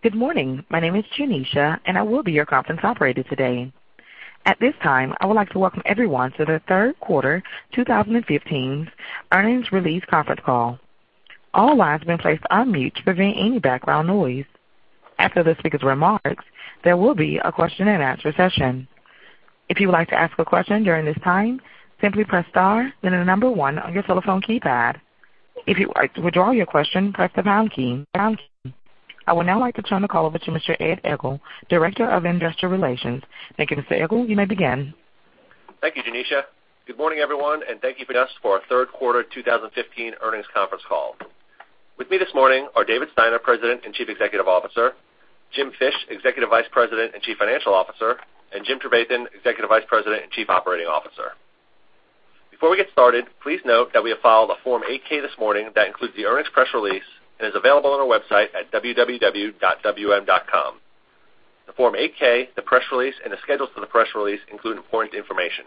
Good morning. My name is Janisha, and I will be your conference operator today. At this time, I would like to welcome everyone to the third quarter 2015 earnings release conference call. All lines have been placed on mute to prevent any background noise. After the speaker's remarks, there will be a question-and-answer session. If you would like to ask a question during this time, simply press star, then the number 1 on your telephone keypad. If you would like to withdraw your question, press the pound key. I would now like to turn the call over to Mr. Ed Egl, Director of Investor Relations. Thank you, Mr. Egl. You may begin. Thank you, Janisha. Good morning, everyone, and thank you for joining us for our third quarter 2015 earnings conference call. With me this morning are David Steiner, President and Chief Executive Officer, Jim Fish, Executive Vice President and Chief Financial Officer, and Jim Trevathan, Executive Vice President and Chief Operating Officer. Before we get started, please note that we have filed a Form 8-K this morning that includes the earnings press release and is available on our website at www.wm.com. The Form 8-K, the press release, and the schedules for the press release include important information.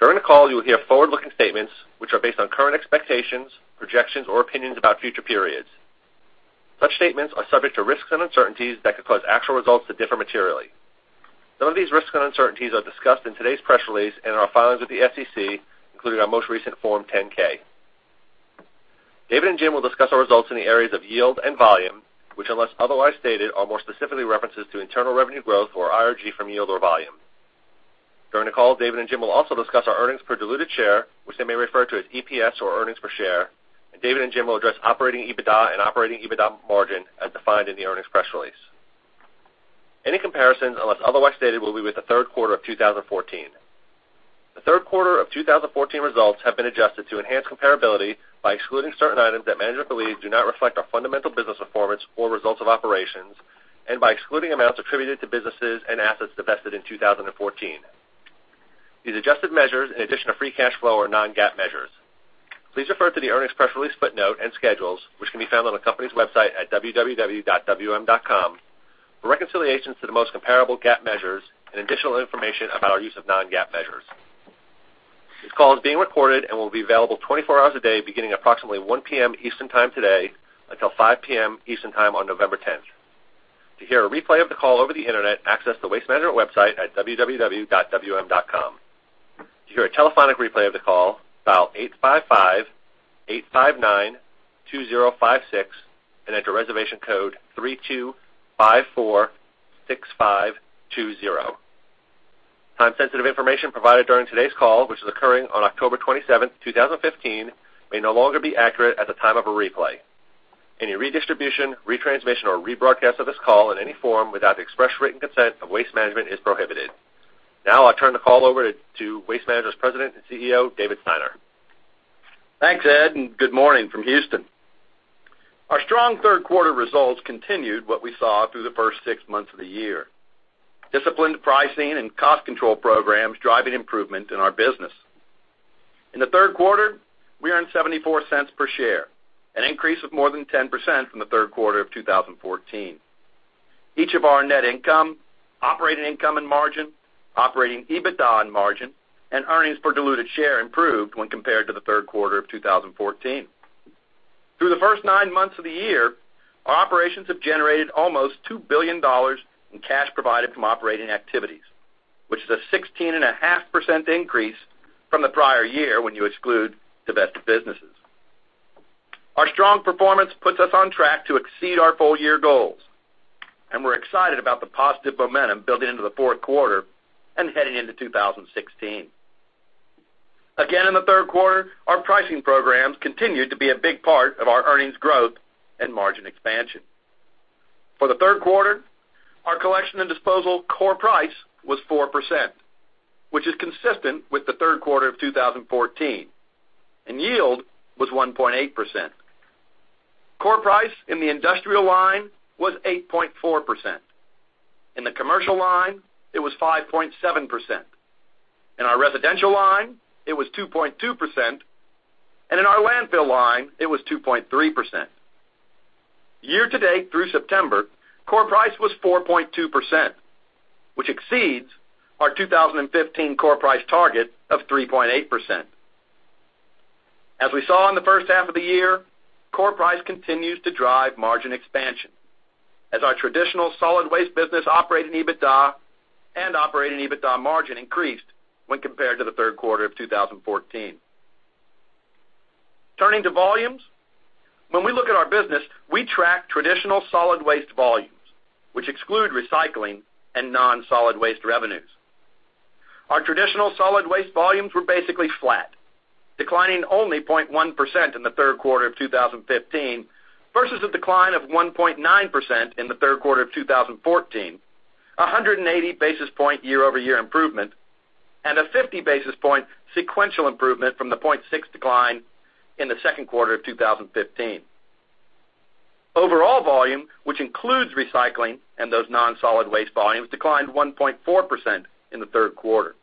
During the call, you will hear forward-looking statements, which are based on current expectations, projections, or opinions about future periods. Such statements are subject to risks and uncertainties that could cause actual results to differ materially. Some of these risks and uncertainties are discussed in today's press release and in our filings with the SEC, including our most recent Form 10-K. David and Jim will discuss our results in the areas of yield and volume, which, unless otherwise stated, are more specifically references to internal revenue growth or IRG from yield or volume. During the call, David and Jim will also discuss our earnings per diluted share, which they may refer to as EPS or earnings per share, and David and Jim will address operating EBITDA and operating EBITDA margin as defined in the earnings press release. Any comparisons, unless otherwise stated, will be with the third quarter of 2014. The third quarter of 2014 results have been adjusted to enhance comparability by excluding certain items that management believes do not reflect our fundamental business performance or results of operations and by excluding amounts attributed to businesses and assets divested in 2014. These adjusted measures, in addition to free cash flow, are non-GAAP measures. Please refer to the earnings press release footnote and schedules, which can be found on the company's website at www.wm.com, for reconciliations to the most comparable GAAP measures and additional information about our use of non-GAAP measures. This call is being recorded and will be available 24 hours a day beginning approximately 1:00 P.M. Eastern Time today until 5:00 P.M. Eastern Time on November 10th. To hear a replay of the call over the Internet, access the Waste Management website at www.wm.com. To hear a telephonic replay of the call, dial 855-859-2056 and enter reservation code 32546520. Time-sensitive information provided during today's call, which is occurring on October 27th, 2015, may no longer be accurate at the time of a replay. Any redistribution, retransmission, or rebroadcast of this call in any form without the express written consent of Waste Management is prohibited. I'll turn the call over to Waste Management's President and CEO, David Steiner. Thanks, Ed, good morning from Houston. Our strong third quarter results continued what we saw through the first six months of the year. Disciplined pricing and cost control programs driving improvement in our business. In the third quarter, we earned $0.74 per share, an increase of more than 10% from the third quarter of 2014. Each of our net income, operating income and margin, operating EBITDA and margin, and earnings per diluted share improved when compared to the third quarter of 2014. Through the first nine months of the year, our operations have generated almost $2 billion in cash provided from operating activities, which is a 16.5% increase from the prior year when you exclude divested businesses. Our strong performance puts us on track to exceed our full-year goals. We're excited about the positive momentum building into the fourth quarter and heading into 2016. Again, in the third quarter, our pricing programs continued to be a big part of our earnings growth and margin expansion. For the third quarter, our collection and disposal core price was 4%, which is consistent with the third quarter of 2014. Yield was 1.8%. Core price in the industrial line was 8.4%. In the commercial line, it was 5.7%. In our residential line, it was 2.2%. In our landfill line, it was 2.3%. Year to date through September, core price was 4.2%, which exceeds our 2015 core price target of 3.8%. As we saw in the first half of the year, core price continues to drive margin expansion as our traditional solid waste business operating EBITDA and operating EBITDA margin increased when compared to the third quarter of 2014. Turning to volumes. When we look at our business, we track traditional solid waste volumes, which exclude recycling and non-solid waste revenues. Our traditional solid waste volumes were basically flat, declining only 0.1% in the third quarter of 2015 versus a decline of 1.9% in the third quarter of 2014, 180 basis point year-over-year improvement and a 50 basis point sequential improvement from the 0.6 decline in the second quarter of 2015. Overall volume, which includes recycling and those non-solid waste volumes, declined 1.4% in the third quarter.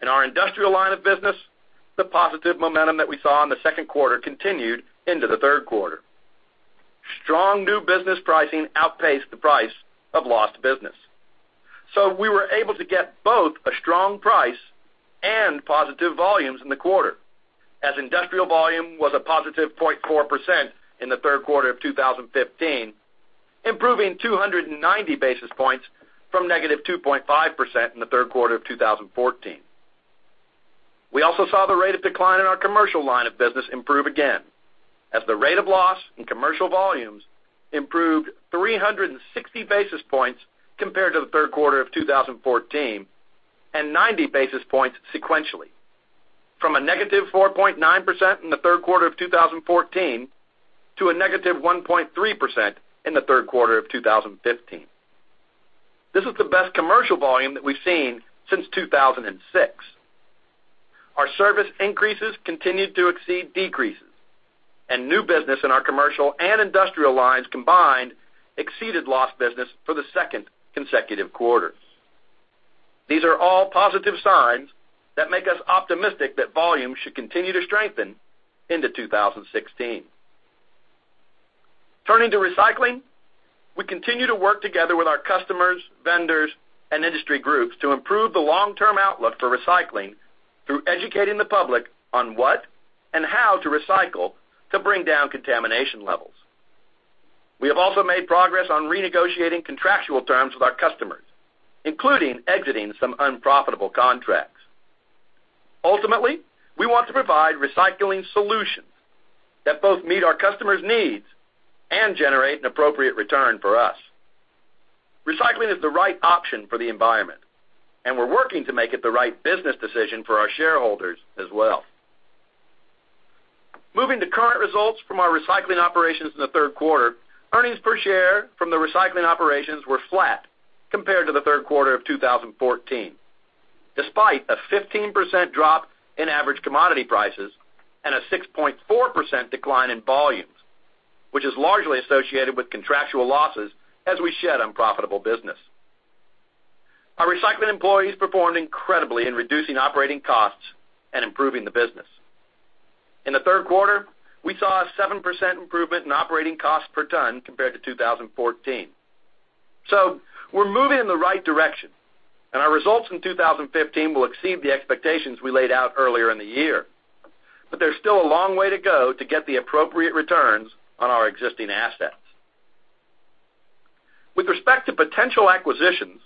In our industrial line of business, the positive momentum that we saw in the second quarter continued into the third quarter. Strong new business pricing outpaced the price of lost business. We were able to get both a strong price and positive volumes in the quarter, as industrial volume was a positive 0.4% in the third quarter of 2015, improving 290 basis points from negative 2.5% in the third quarter of 2014. We also saw the rate of decline in our commercial line of business improve again, as the rate of loss in commercial volumes improved 360 basis points compared to the third quarter of 2014, and 90 basis points sequentially from a negative 4.9% in the third quarter of 2014 to a negative 1.3% in the third quarter of 2015. This is the best commercial volume that we've seen since 2006. Our service increases continued to exceed decreases, and new business in our commercial and industrial lines combined exceeded lost business for the second consecutive quarter. These are all positive signs that make us optimistic that volumes should continue to strengthen into 2016. Turning to recycling, we continue to work together with our customers, vendors, and industry groups to improve the long-term outlook for recycling through educating the public on what and how to recycle to bring down contamination levels. We have also made progress on renegotiating contractual terms with our customers, including exiting some unprofitable contracts. Ultimately, we want to provide recycling solutions that both meet our customers' needs and generate an appropriate return for us. Recycling is the right option for the environment, and we're working to make it the right business decision for our shareholders as well. Moving to current results from our recycling operations in the third quarter, earnings per share from the recycling operations were flat compared to the third quarter of 2014, despite a 15% drop in average commodity prices and a 6.4% decline in volumes, which is largely associated with contractual losses as we shed unprofitable business. Our recycling employees performed incredibly in reducing operating costs and improving the business. In the third quarter, we saw a 7% improvement in operating cost per ton compared to 2014. We're moving in the right direction, and our results in 2015 will exceed the expectations we laid out earlier in the year. There's still a long way to go to get the appropriate returns on our existing assets. With respect to potential acquisitions,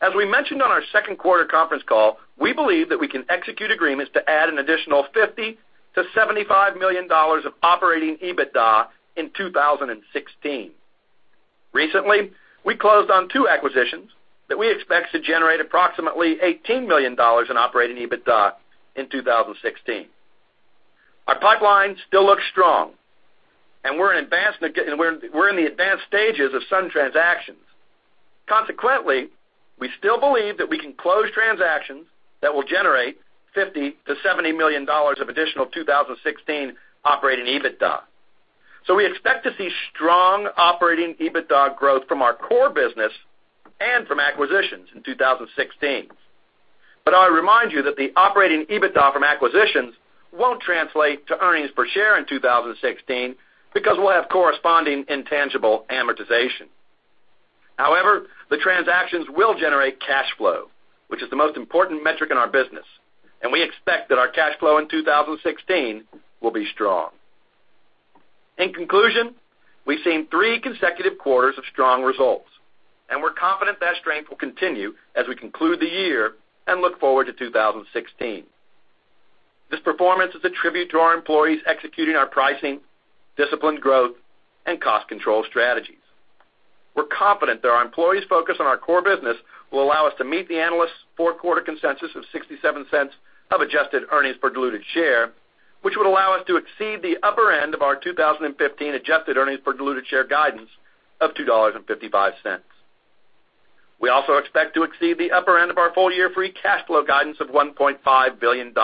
as we mentioned on our second quarter conference call, we believe that we can execute agreements to add an additional $50 to $75 million of operating EBITDA in 2016. Recently, we closed on two acquisitions that we expect to generate approximately $18 million in operating EBITDA in 2016. Our pipeline still looks strong, and we're in the advanced stages of some transactions. Consequently, we still believe that we can close transactions that will generate $50 to $70 million of additional 2016 operating EBITDA. We expect to see strong operating EBITDA growth from our core business and from acquisitions in 2016. I remind you that the operating EBITDA from acquisitions won't translate to earnings per share in 2016 because we'll have corresponding intangible amortization. The transactions will generate cash flow, which is the most important metric in our business. We expect that our cash flow in 2016 will be strong. We've seen three consecutive quarters of strong results. We're confident that strength will continue as we conclude the year and look forward to 2016. This performance is a tribute to our employees executing our pricing, disciplined growth, and cost control strategies. We're confident that our employees' focus on our core business will allow us to meet the analysts' fourth quarter consensus of $0.67 of adjusted earnings per diluted share, which would allow us to exceed the upper end of our 2015 adjusted earnings per diluted share guidance of $2.55. We also expect to exceed the upper end of our full-year free cash flow guidance of $1.5 billion,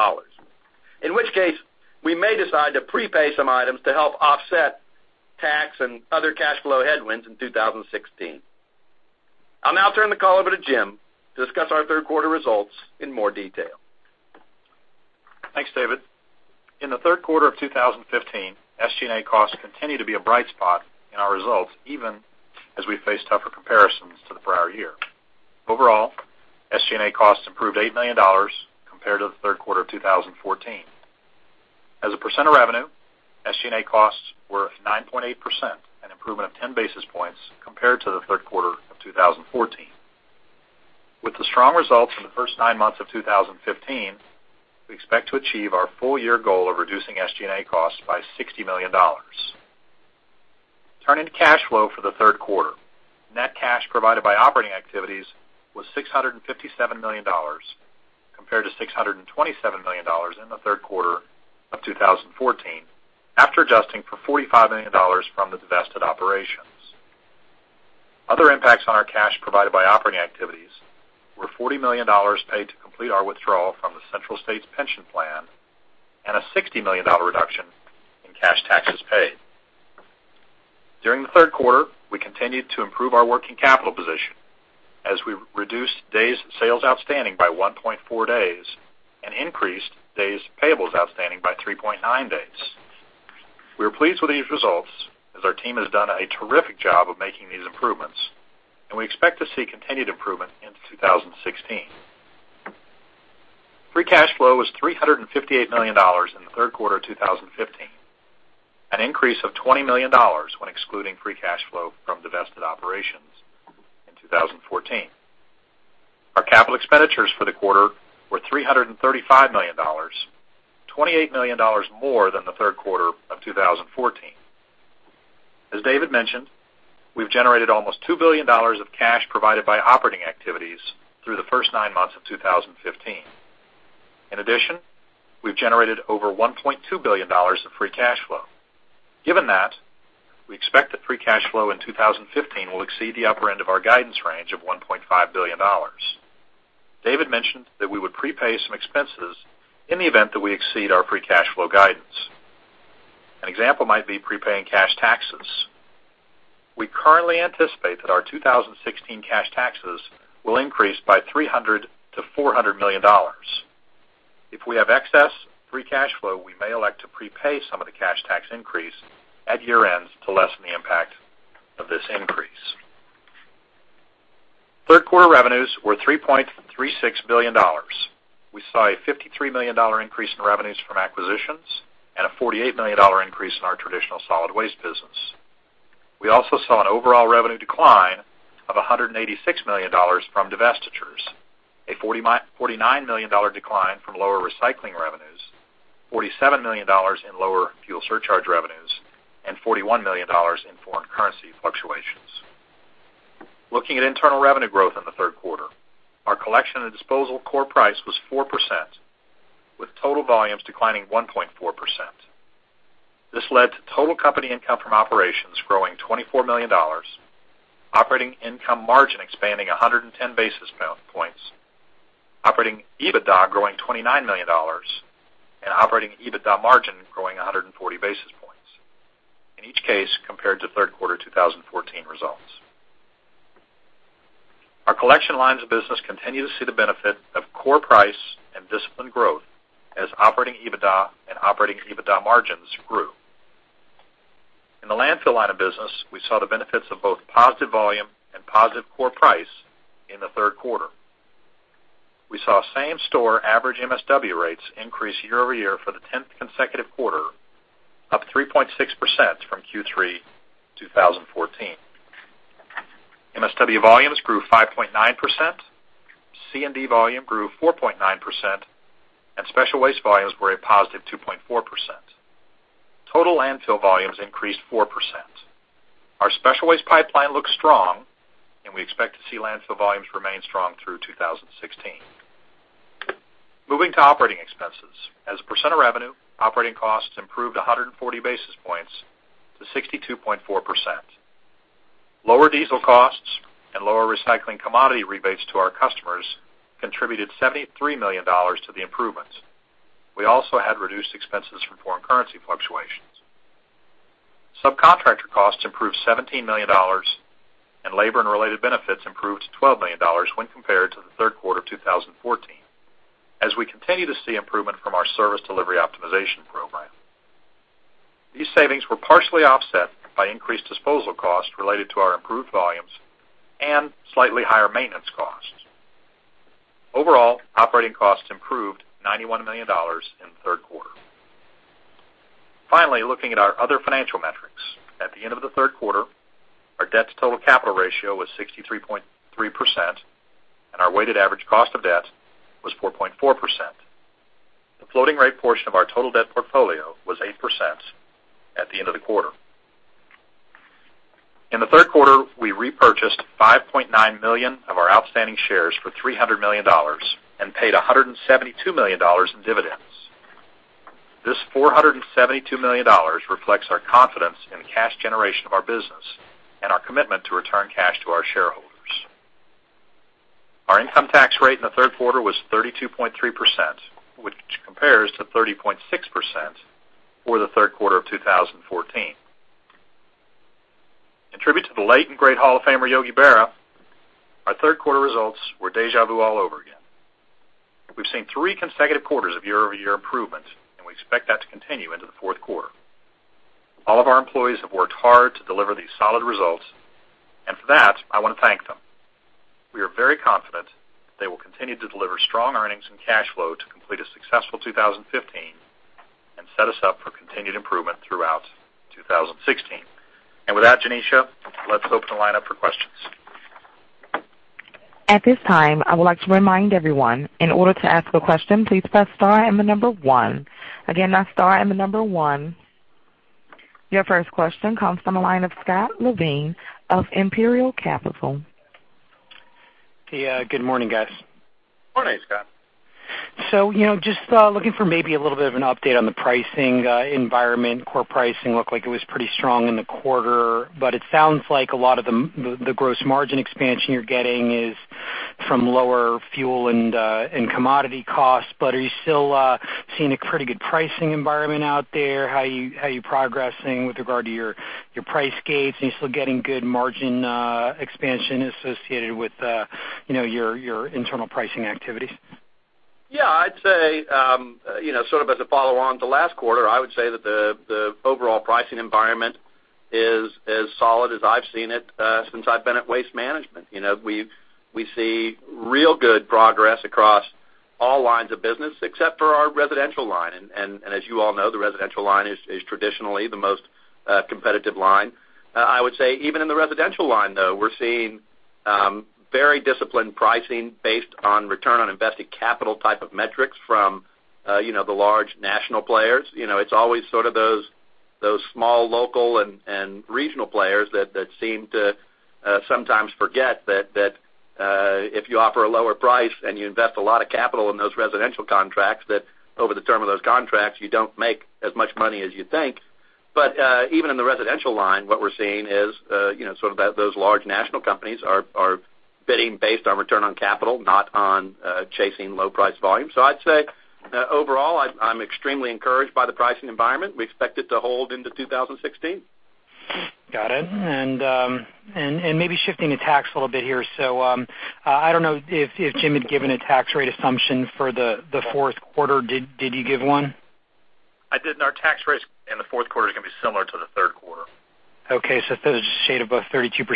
in which case we may decide to prepay some items to help offset tax and other cash flow headwinds in 2016. I'll now turn the call over to Jim to discuss our third quarter results in more detail. Thanks, David. In the third quarter of 2015, SG&A costs continued to be a bright spot in our results, even as we face tougher comparisons to the prior year. Overall, SG&A costs improved $8 million compared to the third quarter of 2014. As a percent of revenue, SG&A costs were 9.8%, an improvement of ten basis points compared to the third quarter of 2014. With the strong results in the first nine months of 2015, we expect to achieve our full year goal of reducing SG&A costs by $60 million. Turning to cash flow for the third quarter. Net cash provided by operating activities was $657 million, compared to $627 million in the third quarter of 2014, after adjusting for $45 million from the divested operations. Other impacts on our cash provided by operating activities were $40 million paid to complete our withdrawal from the Central States Pension Fund and a $60 million reduction in cash taxes paid. During the third quarter, we continued to improve our working capital position as we reduced days sales outstanding by 1.4 days and increased days payables outstanding by 3.9 days. We are pleased with these results as our team has done a terrific job of making these improvements. We expect to see continued improvement into 2016. Free cash flow was $358 million in the third quarter of 2015, an increase of $20 million when excluding free cash flow from divested operations in 2014. Our capital expenditures for the quarter were $335 million, $28 million more than the third quarter of 2014. As David mentioned, we've generated almost $2 billion of cash provided by operating activities through the first nine months of 2015. In addition, we've generated over $1.2 billion of free cash flow. Given that, we expect that free cash flow in 2015 will exceed the upper end of our guidance range of $1.5 billion. David mentioned that we would prepay some expenses in the event that we exceed our free cash flow guidance. An example might be prepaying cash taxes. We currently anticipate that our 2016 cash taxes will increase by $300 million-$400 million. If we have excess free cash flow, we may elect to prepay some of the cash tax increase at year-end to lessen the impact of this increase. Third quarter revenues were $3.36 billion. We saw a $53 million increase in revenues from acquisitions and a $48 million increase in our traditional solid waste business. We also saw an overall revenue decline of $186 million from divestitures, a $49 million decline from lower recycling revenues, $47 million in lower fuel surcharge revenues, and $41 million in foreign currency fluctuations. Looking at internal revenue growth in the third quarter, our collection and disposal core price was 4%, with total volumes declining 1.4%. This led to total company income from operations growing $24 million, operating income margin expanding 110 basis points, operating EBITDA growing $29 million and operating EBITDA margin growing 140 basis points, in each case compared to third quarter 2014 results. Our collection lines of business continue to see the benefit of core price and disciplined growth as operating EBITDA and operating EBITDA margins grew. In the landfill line of business, we saw the benefits of both positive volume and positive core price in the third quarter. We saw same store average MSW rates increase year-over-year for the tenth consecutive quarter, up 3.6% from Q3 2014. MSW volumes grew 5.9%, C&D volume grew 4.9%, and special waste volumes were a positive 2.4%. Total landfill volumes increased 4%. Our special waste pipeline looks strong, and we expect to see landfill volumes remain strong through 2016. Moving to operating expenses. As a percent of revenue, operating costs improved 140 basis points to 62.4%. Lower diesel costs and lower recycling commodity rebates to our customers contributed $73 million to the improvements. We also had reduced expenses from foreign currency fluctuations. Subcontractor costs improved $17 million and labor and related benefits improved to $12 million when compared to the third quarter of 2014, as we continue to see improvement from our Service Delivery Optimization program. These savings were partially offset by increased disposal costs related to our improved volumes and slightly higher maintenance costs. Overall, operating costs improved $91 million in the third quarter. Finally, looking at our other financial metrics. At the end of the third quarter, our debt to total capital ratio was 63.3% and our weighted average cost of debt was 4.4%. The floating rate portion of our total debt portfolio was 8% at the end of the quarter. In the third quarter, we repurchased 5.9 million of our outstanding shares for $300 million and paid $172 million in dividends. This $472 million reflects our confidence in the cash generation of our business and our commitment to return cash to our shareholders. Our income tax rate in the third quarter was 32.3%, which compares to 30.6% for the third quarter of 2014. In tribute to the late and great Hall of Famer Yogi Berra, our third quarter results were deja vu all over again. We've seen three consecutive quarters of year-over-year improvement, and we expect that to continue into the fourth quarter. All of our employees have worked hard to deliver these solid results, and for that, I want to thank them. We are very confident they will continue to deliver strong earnings and cash flow to complete a successful 2015 and set us up for continued improvement throughout 2016. With that, Janisha, let's open the line up for questions. At this time, I would like to remind everyone, in order to ask a question, please press star and the number one. Again, that's star and the number one. Your first question comes from the line of Scott Levine of Imperial Capital. Morning, Scott. Just looking for maybe a little bit of an update on the pricing environment. Core pricing looked like it was pretty strong in the quarter, but it sounds like a lot of the gross margin expansion you're getting is from lower fuel and commodity costs. Are you still seeing a pretty good pricing environment out there? How are you progressing with regard to your price gauge, and you're still getting good margin expansion associated with your internal pricing activities? Yeah, I'd say, as a follow-on to last quarter, I would say that the overall pricing environment is as solid as I've seen it since I've been at Waste Management. We see real good progress across all lines of business except for our residential line. As you all know, the residential line is traditionally the most competitive line. I would say even in the residential line, though, we're seeing very disciplined pricing based on return on invested capital type of metrics from the large national players. It's always those small, local, and regional players that seem to sometimes forget that if you offer a lower price and you invest a lot of capital in those residential contracts, that over the term of those contracts, you don't make as much money as you'd think. Even in the residential line, what we're seeing is those large national companies are bidding based on return on capital, not on chasing low price volume. I'd say that overall, I'm extremely encouraged by the pricing environment. We expect it to hold into 2016. Got it. Maybe shifting to tax a little bit here. I don't know if Jim had given a tax rate assumption for the fourth quarter. Did you give one? I did. Our tax rates in the fourth quarter is going to be similar to the third quarter. Okay, shade above 32%.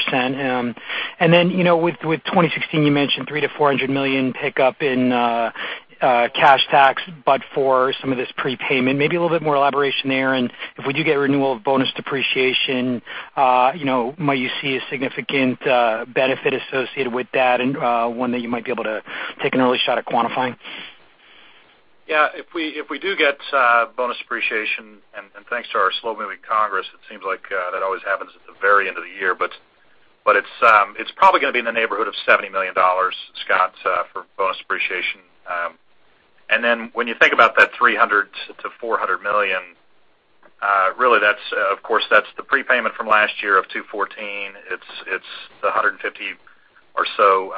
With 2016, you mentioned $300 million to $400 million pickup in cash tax for some of this prepayment. Maybe a little bit more elaboration there. If we do get renewal of bonus depreciation, might you see a significant benefit associated with that, and one that you might be able to take an early shot at quantifying? Yeah. If we do get bonus depreciation, thanks to our slow-moving Congress, it seems like that always happens at the very end of the year. It's probably going to be in the neighborhood of $70 million, Scott, for bonus depreciation. When you think about that $300 million to $400 million, really that's, of course, the prepayment from last year of 2014. It's the $150 million or so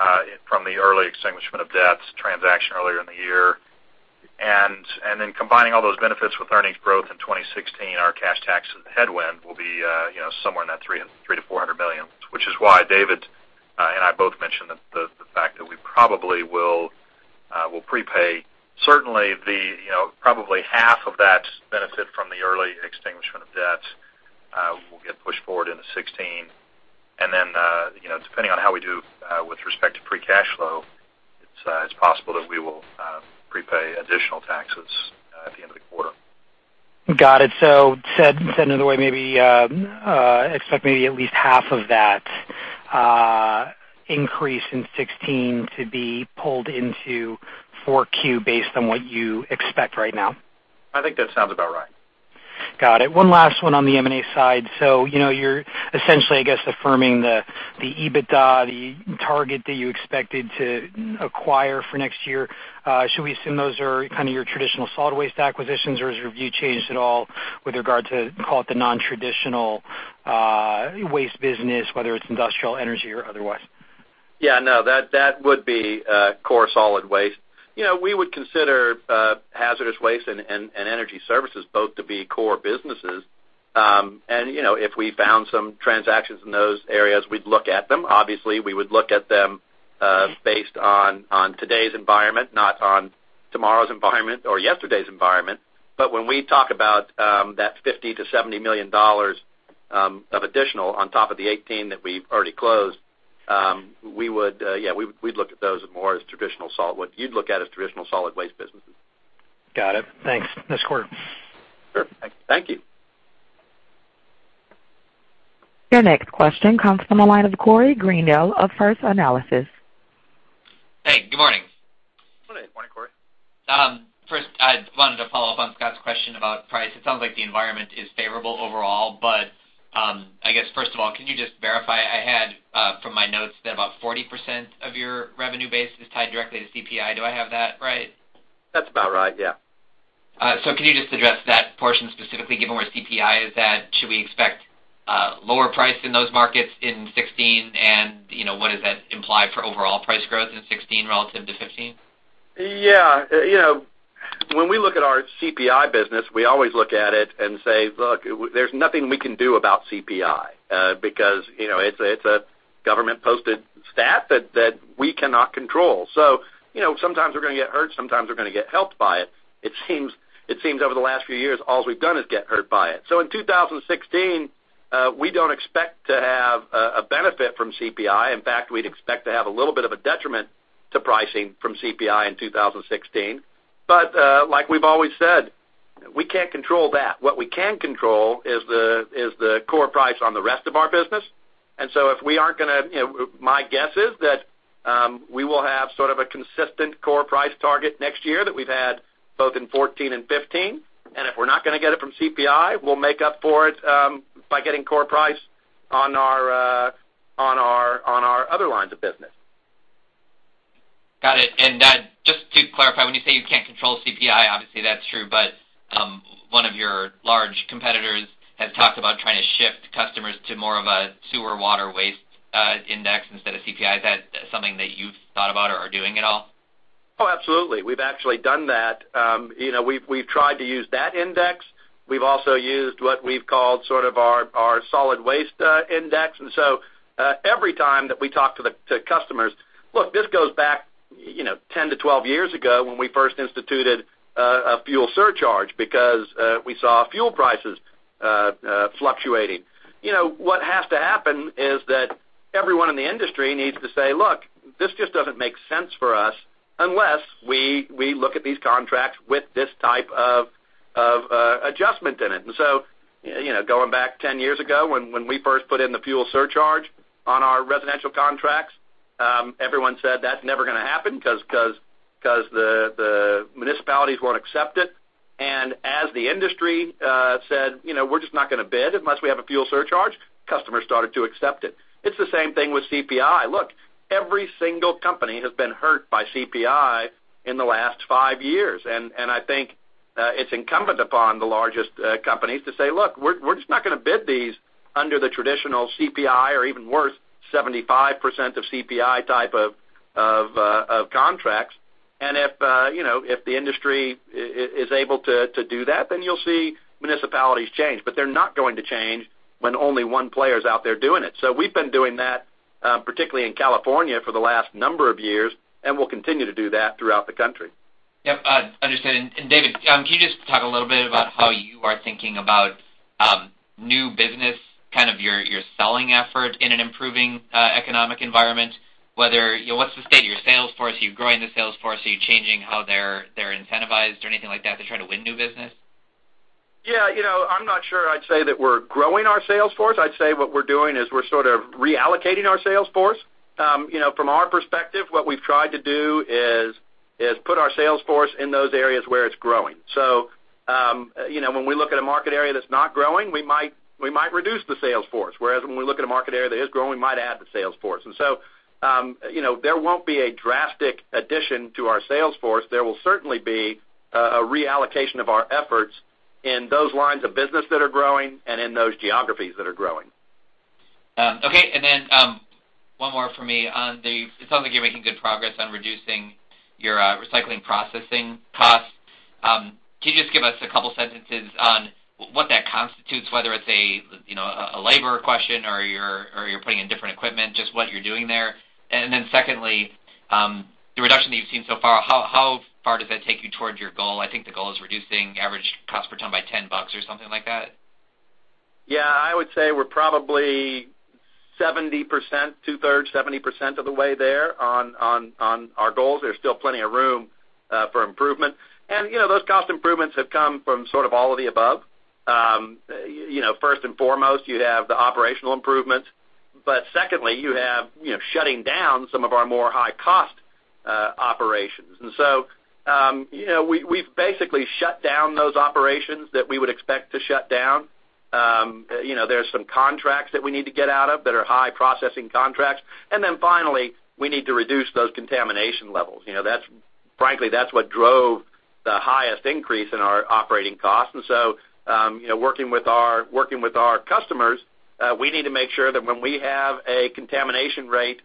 from the early extinguishment of debts transaction earlier in the year. Combining all those benefits with earnings growth in 2016, our cash tax headwind will be somewhere in that $300 million to $400 million, which is why David and I both mentioned the fact that we probably will prepay. Certainly, probably half of that benefit from the early extinguishment of debts will get pushed forward into 2016. Depending on how we do with respect to free cash flow, it's possible that we will prepay additional taxes at the end of the quarter. Got it. Said another way, expect at least half of that increase in 2016 to be pulled into Q4 based on what you expect right now. I think that sounds about right. Got it. One last one on the M&A side. You're essentially, I guess, affirming the EBITDA, the target that you expected to acquire for next year. Should we assume those are kind of your traditional solid waste acquisitions, or has your view changed at all with regard to, call it the non-traditional waste business, whether it's industrial energy or otherwise? Yeah, no, that would be core solid waste. We would consider hazardous waste and energy services both to be core businesses. If we found some transactions in those areas, we'd look at them. Obviously, we would look at them based on today's environment, not on tomorrow's environment or yesterday's environment. When we talk about that $50 million-$70 million of additional on top of the 18 that we've already closed, we'd look at those more as what you'd look at as traditional solid waste businesses. Got it. Thanks. Nice quarter. Sure. Thank you. Your next question comes from the line of Corey Greendale of First Analysis. Hey, good morning. Good morning, Corey. First, I wanted to follow up on Scott's question about price. It sounds like the environment is favorable overall, but I guess, first of all, can you just verify, I had from my notes that about 40% of your revenue base is tied directly to CPI. Do I have that right? That's about right, yeah. Can you just address that portion specifically, given where CPI is at? Should we expect a lower price in those markets in 2016? What does that imply for overall price growth in 2016 relative to 2015? Yeah. When we look at our CPI business, we always look at it and say, "Look, there's nothing we can do about CPI," because it's a government-posted stat that we cannot control. Sometimes we're going to get hurt, sometimes we're going to get helped by it. It seems over the last few years, all we've done is get hurt by it. In 2016, we don't expect to have a benefit from CPI. In fact, we'd expect to have a little bit of a detriment to pricing from CPI in 2016. Like we've always said, we can't control that. What we can control is the core price on the rest of our business. My guess is that we will have sort of a consistent core price target next year that we've had both in 2014 and 2015. If we're not going to get it from CPI, we'll make up for it by getting core price on our other lines of business. Got it. Just to clarify, when you say you can't control CPI, obviously that's true, but one of your large competitors has talked about trying to shift customers to more of a sewer water waste index instead of CPI. Is that something that you've thought about or are doing at all? Absolutely. We've actually done that. We've tried to use that index We've also used what we've called our solid waste index. Every time that we talk to customers Look, this goes back 10 to 12 years ago when we first instituted a fuel surcharge because we saw fuel prices fluctuating. What has to happen is that everyone in the industry needs to say, "Look, this just doesn't make sense for us unless we look at these contracts with this type of adjustment in it." Going back 10 years ago when we first put in the fuel surcharge on our residential contracts, everyone said, "That's never going to happen because the municipalities won't accept it." As the industry said, "We're just not going to bid unless we have a fuel surcharge," customers started to accept it. It's the same thing with CPI. Look, every single company has been hurt by CPI in the last five years. I think it's incumbent upon the largest companies to say, "Look, we're just not going to bid these under the traditional CPI or, even worse, 75% of CPI type of contracts." If the industry is able to do that, then you'll see municipalities change. They're not going to change when only one player's out there doing it. We've been doing that, particularly in California, for the last number of years, and we'll continue to do that throughout the country. Yep, understood. David, can you just talk a little bit about how you are thinking about new business, your selling effort in an improving economic environment? What's the state of your sales force? Are you growing the sales force? Are you changing how they're incentivized or anything like that to try to win new business? Yeah. I'm not sure I'd say that we're growing our sales force. I'd say what we're doing is we're reallocating our sales force. From our perspective, what we've tried to do is put our sales force in those areas where it's growing. When we look at a market area that's not growing, we might reduce the sales force, whereas when we look at a market area that is growing, we might add the sales force. There won't be a drastic addition to our sales force. There will certainly be a reallocation of our efforts in those lines of business that are growing and in those geographies that are growing. Okay. Then one more from me on the It sounds like you're making good progress on reducing your recycling processing costs. Can you just give us a couple sentences on what that constitutes, whether it's a labor question or you're putting in different equipment, just what you're doing there? Then secondly, the reduction that you've seen so far, how far does that take you towards your goal? I think the goal is reducing average cost per ton by $10 or something like that. Yeah. I would say we're probably 70%, two-thirds, 70% of the way there on our goals. There's still plenty of room for improvement. Those cost improvements have come from sort of all of the above. First and foremost, you have the operational improvements. Secondly, you have shutting down some of our more high-cost operations. We've basically shut down those operations that we would expect to shut down. There's some contracts that we need to get out of that are high processing contracts. Finally, we need to reduce those contamination levels. Frankly, that's what drove the highest increase in our operating costs. Working with our customers, we need to make sure that when we have a contamination rate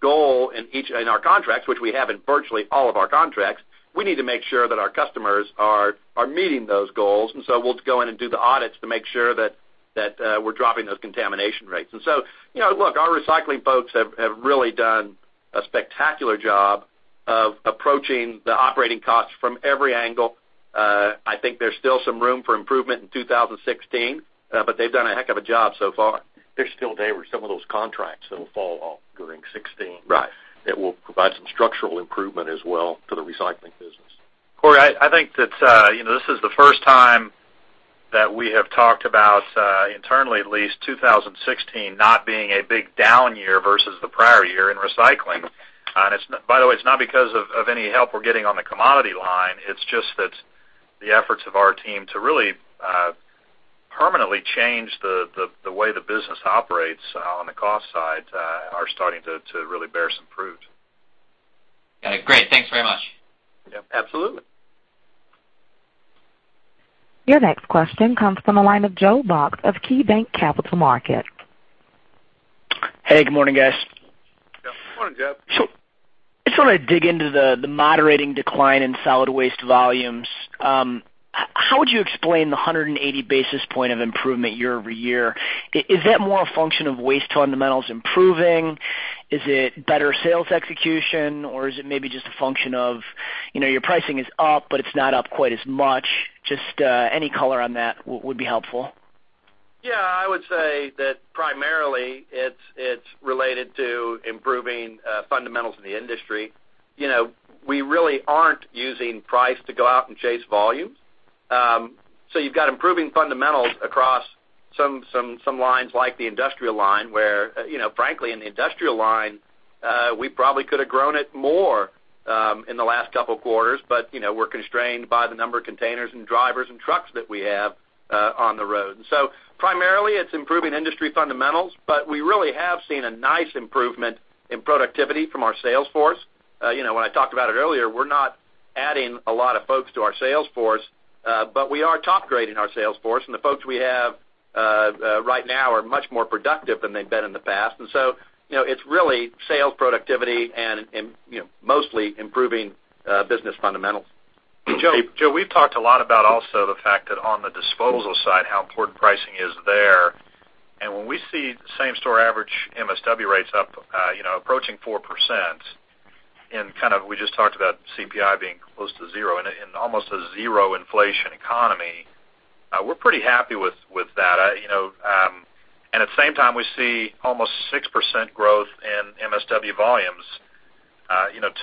goal in our contracts, which we have in virtually all of our contracts, we need to make sure that our customers are meeting those goals. We'll go in and do the audits to make sure that we're dropping those contamination rates. Look, our recycling folks have really done a spectacular job of approaching the operating costs from every angle. I think there's still some room for improvement in 2016, but they've done a heck of a job so far. There's still, David, some of those contracts that'll fall off during 2016. Right. It will provide some structural improvement as well to the recycling business. Corey, I think that this is the first time that we have talked about, internally at least, 2016 not being a big down year versus the prior year in recycling. By the way, it's not because of any help we're getting on the commodity line. It's just that the efforts of our team to really permanently change the way the business operates on the cost side are starting to really bear some fruit. Got it. Great. Thanks very much. Yep, absolutely. Your next question comes from the line of Joe Box of KeyBanc Capital Markets. Hey, good morning, guys. Good morning, Joe. I just want to dig into the moderating decline in solid waste volumes. How would you explain the 180 basis points of improvement year-over-year? Is that more a function of waste fundamentals improving? Is it better sales execution, or is it maybe just a function of your pricing is up, but it's not up quite as much? Just any color on that would be helpful. Yeah. I would say that primarily it's related to improving fundamentals in the industry. We really aren't using price to go out and chase volumes. You've got improving fundamentals across some lines like the industrial line where, frankly, in the industrial line, we probably could have grown it more in the last couple of quarters, but we're constrained by the number of containers and drivers and trucks that we have on the road. Primarily, it's improving industry fundamentals, but we really have seen a nice improvement in productivity from our sales force. When I talked about it earlier, we're not adding a lot of folks to our sales force, but we are top-grading our sales force, and the folks we have Right now are much more productive than they've been in the past. It's really sales productivity and mostly improving business fundamentals. Joe, we've talked a lot about also the fact that on the disposal side, how important pricing is there. When we see same-store average MSW rates up approaching 4%, and we just talked about CPI being close to zero, in almost a zero inflation economy, we're pretty happy with that. At the same time, we see almost 6% growth in MSW volumes.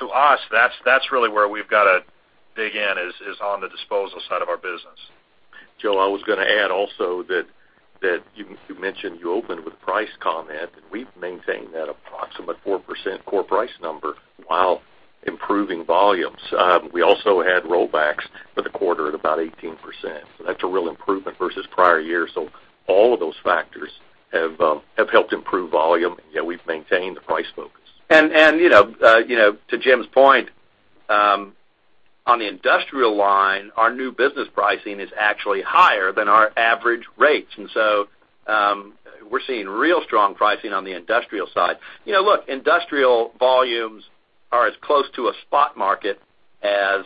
To us, that's really where we've got to dig in, is on the disposal side of our business. Joe, I was going to add also that you mentioned you opened with a price comment, and we've maintained that approximate 4% core price number while improving volumes. We also had rollbacks for the quarter at about 18%, so that's a real improvement versus prior years. All of those factors have helped improve volume, yet we've maintained the price focus. To Jim's point, on the industrial line, our new business pricing is actually higher than our average rates. We're seeing real strong pricing on the industrial side. Look, industrial volumes are as close to a spot market as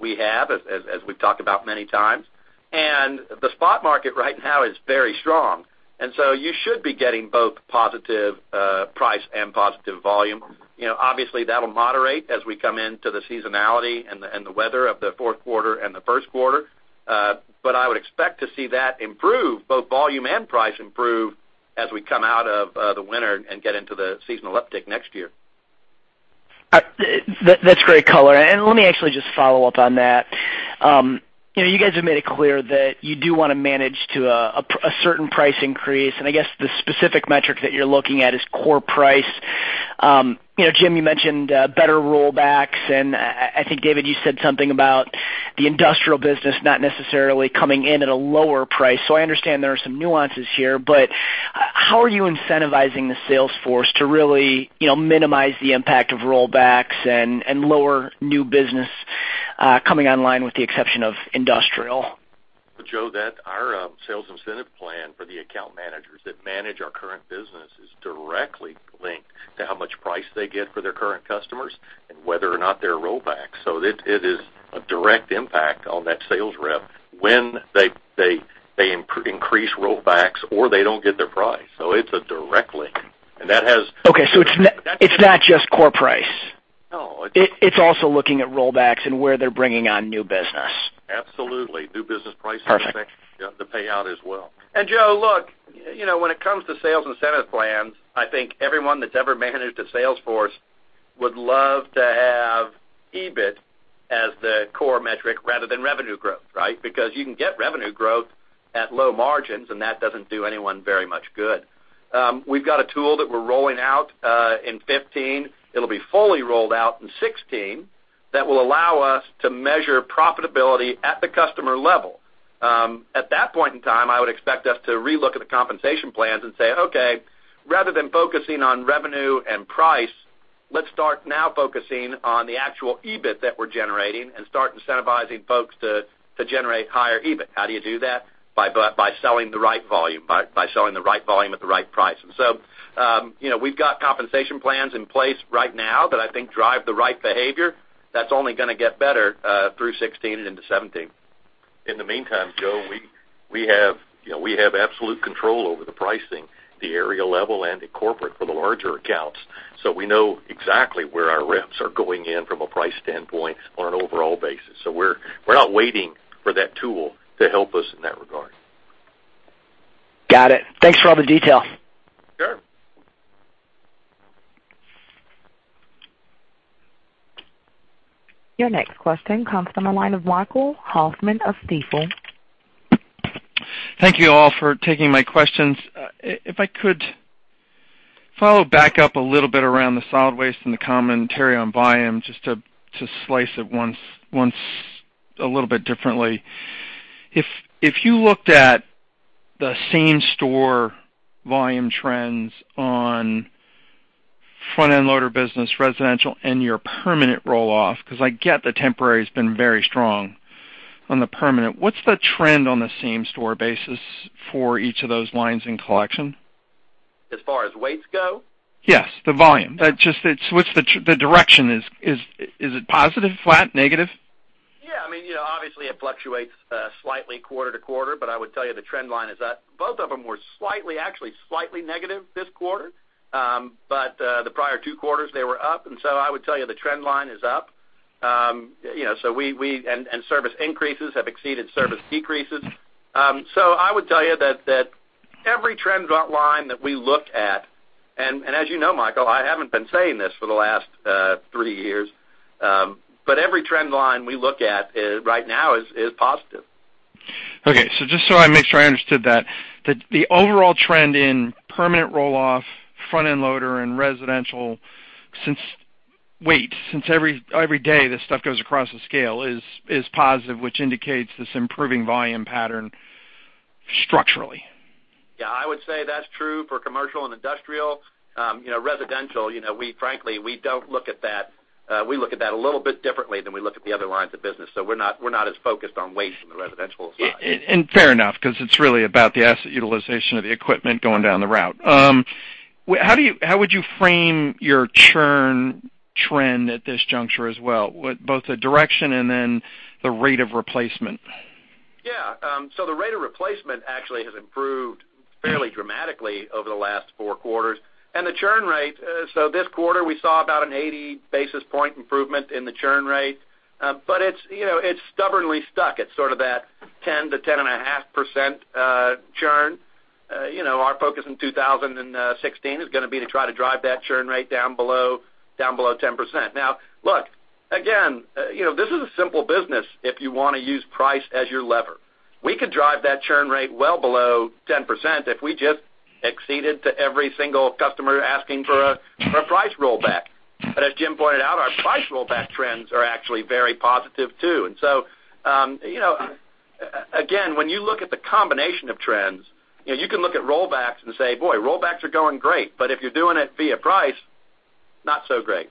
we have, as we've talked about many times. The spot market right now is very strong. You should be getting both positive price and positive volume. Obviously, that'll moderate as we come into the seasonality and the weather of the fourth quarter and the first quarter. I would expect to see that improve, both volume and price improve, as we come out of the winter and get into the seasonal uptick next year. That's great color. Let me actually just follow up on that. You guys have made it clear that you do want to manage to a certain price increase, and I guess the specific metric that you're looking at is core price. Jim, you mentioned better rollbacks, and I think, David, you said something about the industrial business not necessarily coming in at a lower price. I understand there are some nuances here, but how are you incentivizing the sales force to really minimize the impact of rollbacks and lower new business coming online with the exception of industrial? Joe, our sales incentive plan for the account managers that manage our current business is directly linked to how much price they get for their current customers and whether or not they're rollbacks. It is a direct impact on that sales rep when they increase rollbacks, or they don't get their price. It's a direct link, and that has. Okay, it's not just core price? No. It's also looking at rollbacks and where they're bringing on new business. Absolutely. New business pricing- Perfect the payout as well. Joe, look, when it comes to sales incentive plans, I think everyone that's ever managed a sales force would love to have EBIT as the core metric rather than revenue growth. Because you can get revenue growth at low margins, and that doesn't do anyone very much good. We've got a tool that we're rolling out in 2015, it'll be fully rolled out in 2016, that will allow us to measure profitability at the customer level. At that point in time, I would expect us to re-look at the compensation plans and say, "Okay, rather than focusing on revenue and price, let's start now focusing on the actual EBIT that we're generating and start incentivizing folks to generate higher EBIT." How do you do that? By selling the right volume at the right price. We've got compensation plans in place right now that I think drive the right behavior. That's only going to get better through 2016 and into 2017. In the meantime, Joe, we have absolute control over the pricing at the area level and at corporate for the larger accounts. We know exactly where our reps are going in from a price standpoint on an overall basis. We're not waiting for that tool to help us in that regard. Got it. Thanks for all the detail. Sure. Your next question comes from the line of Michael Hoffman of Stifel. Thank you all for taking my questions. If I could follow back up a little bit around the solid waste and the commentary on volume, just to slice it once a little bit differently. If you looked at the same store volume trends on front-end loader business, residential, and your permanent roll off, because I get the temporary has been very strong on the permanent. What's the trend on the same store basis for each of those lines in collection? As far as weights go? Yes, the volume. What's the direction? Is it positive, flat, negative? Yeah. Obviously, it fluctuates slightly quarter to quarter, but I would tell you the trend line is up. Both of them were actually slightly negative this quarter. The prior two quarters they were up, I would tell you the trend line is up. Service increases have exceeded service decreases. I would tell you that every trend line that we look at, and as you know, Michael, I haven't been saying this for the last three years, every trend line we look at right now is positive. Okay. Just so I make sure I understood that, the overall trend in permanent roll off, front-end loader, and residential weight, since every day this stuff goes across the scale, is positive, which indicates this improving volume pattern structurally. Yeah, I would say that's true for commercial and industrial. Residential, frankly, we don't look at that. We look at that a little bit differently than we look at the other lines of business. We're not as focused on waste on the residential side. Fair enough, because it's really about the asset utilization of the equipment going down the route. How would you frame your churn trend at this juncture as well? Both the direction and then the rate of replacement. Yeah. The rate of replacement actually has improved fairly dramatically over the last four quarters. The churn rate, this quarter, we saw about an 80 basis point improvement in the churn rate. It's stubbornly stuck at sort of that 10 to 10.5% churn. Our focus in 2016 is going to be to try to drive that churn rate down below 10%. Now, look, again, this is a simple business if you want to use price as your lever. We could drive that churn rate well below 10% if we just acceded to every single customer asking for a price rollback. As Jim pointed out, our price rollback trends are actually very positive too. Again, when you look at the combination of trends, you can look at rollbacks and say, "Boy, rollbacks are going great." If you're doing it via price, not so great.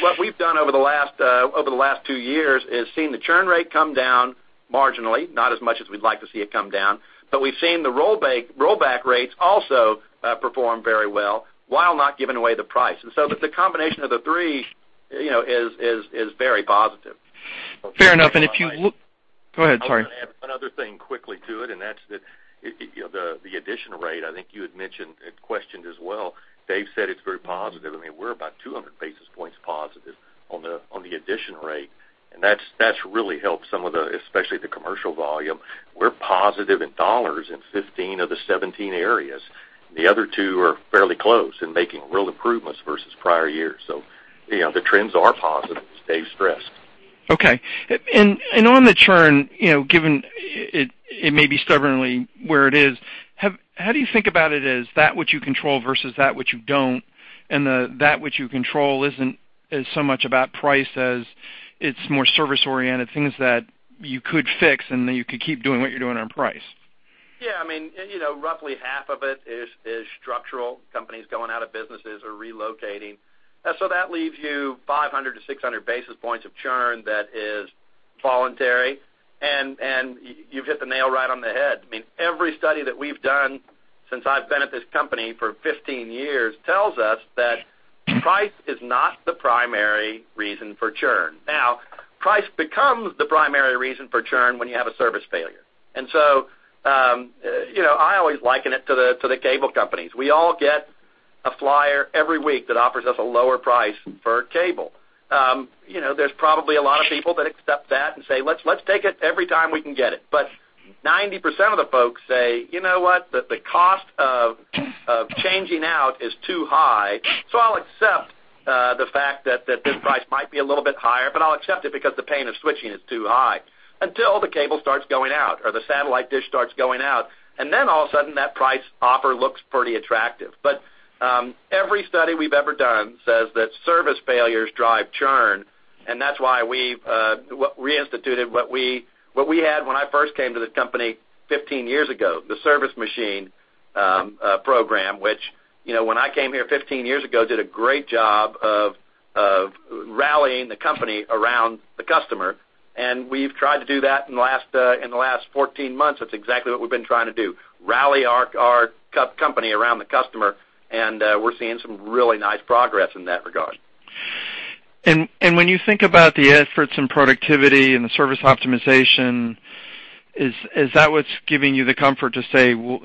What we've done over the last two years is seen the churn rate come down marginally, not as much as we'd like to see it come down. We've seen the rollback rates also perform very well while not giving away the price. The combination of the three is very positive. Fair enough. If you look Go ahead, sorry. I was going to add one other thing quickly to it, and that's the addition rate. I think you had mentioned and questioned as well. Dave said it's very positive, and we're about 200 basis points positive on the addition rate, and that's really helped some of the, especially the commercial volume. We're positive in dollars in 15 of the 17 areas. The other two are fairly close and making real improvements versus prior years. The trends are positive, as Dave stressed. Okay. On the churn, given it may be stubbornly where it is, how do you think about it as that which you control versus that which you don't? That which you control isn't as so much about price as it's more service-oriented, things that you could fix, and then you could keep doing what you're doing on price. Yeah. Roughly half of it is structural, companies going out of businesses or relocating. That leaves you 500 to 600 basis points of churn that is voluntary, and you've hit the nail right on the head. Every study that we've done since I've been at this company for 15 years tells us that price is not the primary reason for churn. Now, price becomes the primary reason for churn when you have a service failure. I always liken it to the cable companies. We all get a flyer every week that offers us a lower price for cable. There's probably a lot of people that accept that and say, "Let's take it every time we can get it." 90% of the folks say, "You know what? The cost of changing out is too high, so I'll accept the fact that this price might be a little bit higher, but I'll accept it because the pain of switching is too high," until the cable starts going out or the satellite dish starts going out. Then all of a sudden, that price offer looks pretty attractive. Every study we've ever done says that service failures drive churn, and that's why we reinstituted what we had when I first came to the company 15 years ago, the Service Delivery Optimization, which when I came here 15 years ago, did a great job of rallying the company around the customer, and we've tried to do that in the last 14 months. That's exactly what we've been trying to do, rally our company around the customer, and we're seeing some really nice progress in that regard. When you think about the efforts in productivity and the Service Delivery Optimization, is that what's giving you the comfort to say, we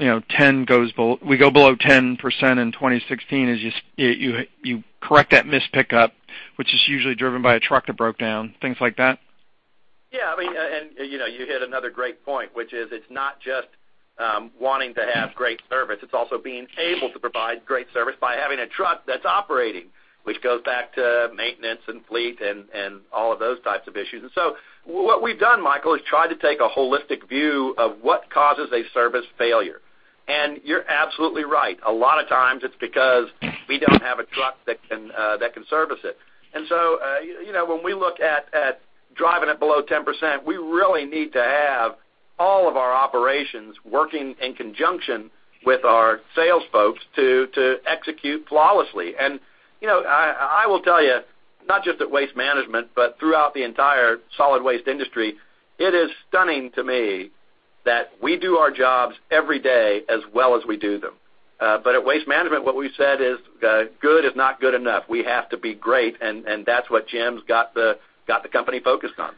go below 10% in 2016 as you correct that missed pickup, which is usually driven by a truck that broke down, things like that? Yeah. You hit another great point, which is it's not just wanting to have great service, it's also being able to provide great service by having a truck that's operating, which goes back to maintenance and fleet and all of those types of issues. What we've done, Michael, is try to take a holistic view of what causes a service failure. You're absolutely right. A lot of times, it's because we don't have a truck that can service it. When we look at driving it below 10%, we really need to have all of our operations working in conjunction with our sales folks to execute flawlessly. I will tell you, not just at Waste Management, but throughout the entire solid waste industry, it is stunning to me that we do our jobs every day as well as we do them. At Waste Management, what we've said is, "Good is not good enough. We have to be great." That's what Jim's got the company focused on.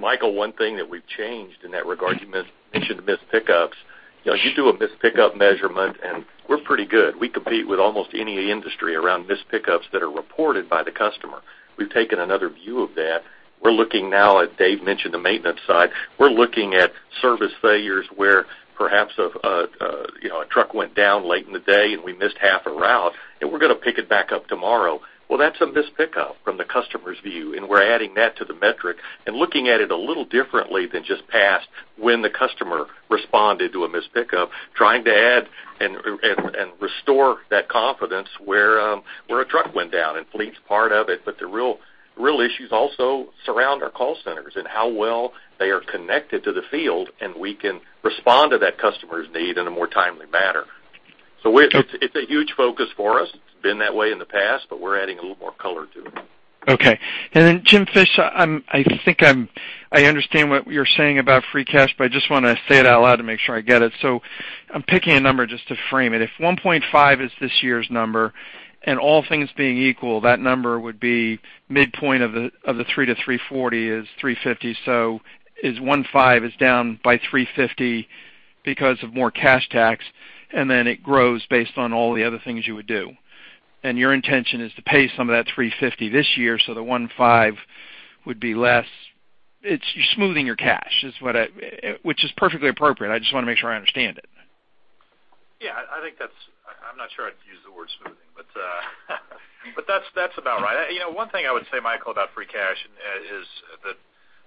Michael, one thing that we've changed in that regard, you mentioned missed pickups. You do a missed pickup measurement, and we're pretty good. We compete with almost any industry around missed pickups that are reported by the customer. We've taken another view of that. We're looking now at, Dave mentioned the maintenance side. We're looking at service failures where perhaps a truck went down late in the day and we missed half a route, and we're going to pick it back up tomorrow. Well, that's a missed pickup from the customer's view, and we're adding that to the metric and looking at it a little differently than just past when the customer responded to a missed pickup, trying to add and restore that confidence where a truck went down, and fleet's part of it. The real issues also surround our call centers and how well they are connected to the field, and we can respond to that customer's need in a more timely manner. It's a huge focus for us. Been that way in the past, but we're adding a little more color to it. Okay. Jim Fish, I think I understand what you're saying about free cash, but I just want to say it out loud to make sure I get it. I'm picking a number just to frame it. If $1.5 billion is this year's number, and all things being equal, that number would be midpoint of the $300 million to $340 million is $350 million. Is $1.5 billion is down by $350 million because of more cash tax, and then it grows based on all the other things you would do. Your intention is to pay some of that $350 million this year, so the $1.5 billion would be less. You're smoothing your cash, which is perfectly appropriate. I just want to make sure I understand it. Yeah, I'm not sure I'd use the word smoothing, but that's about right. One thing I would say, Michael, about free cash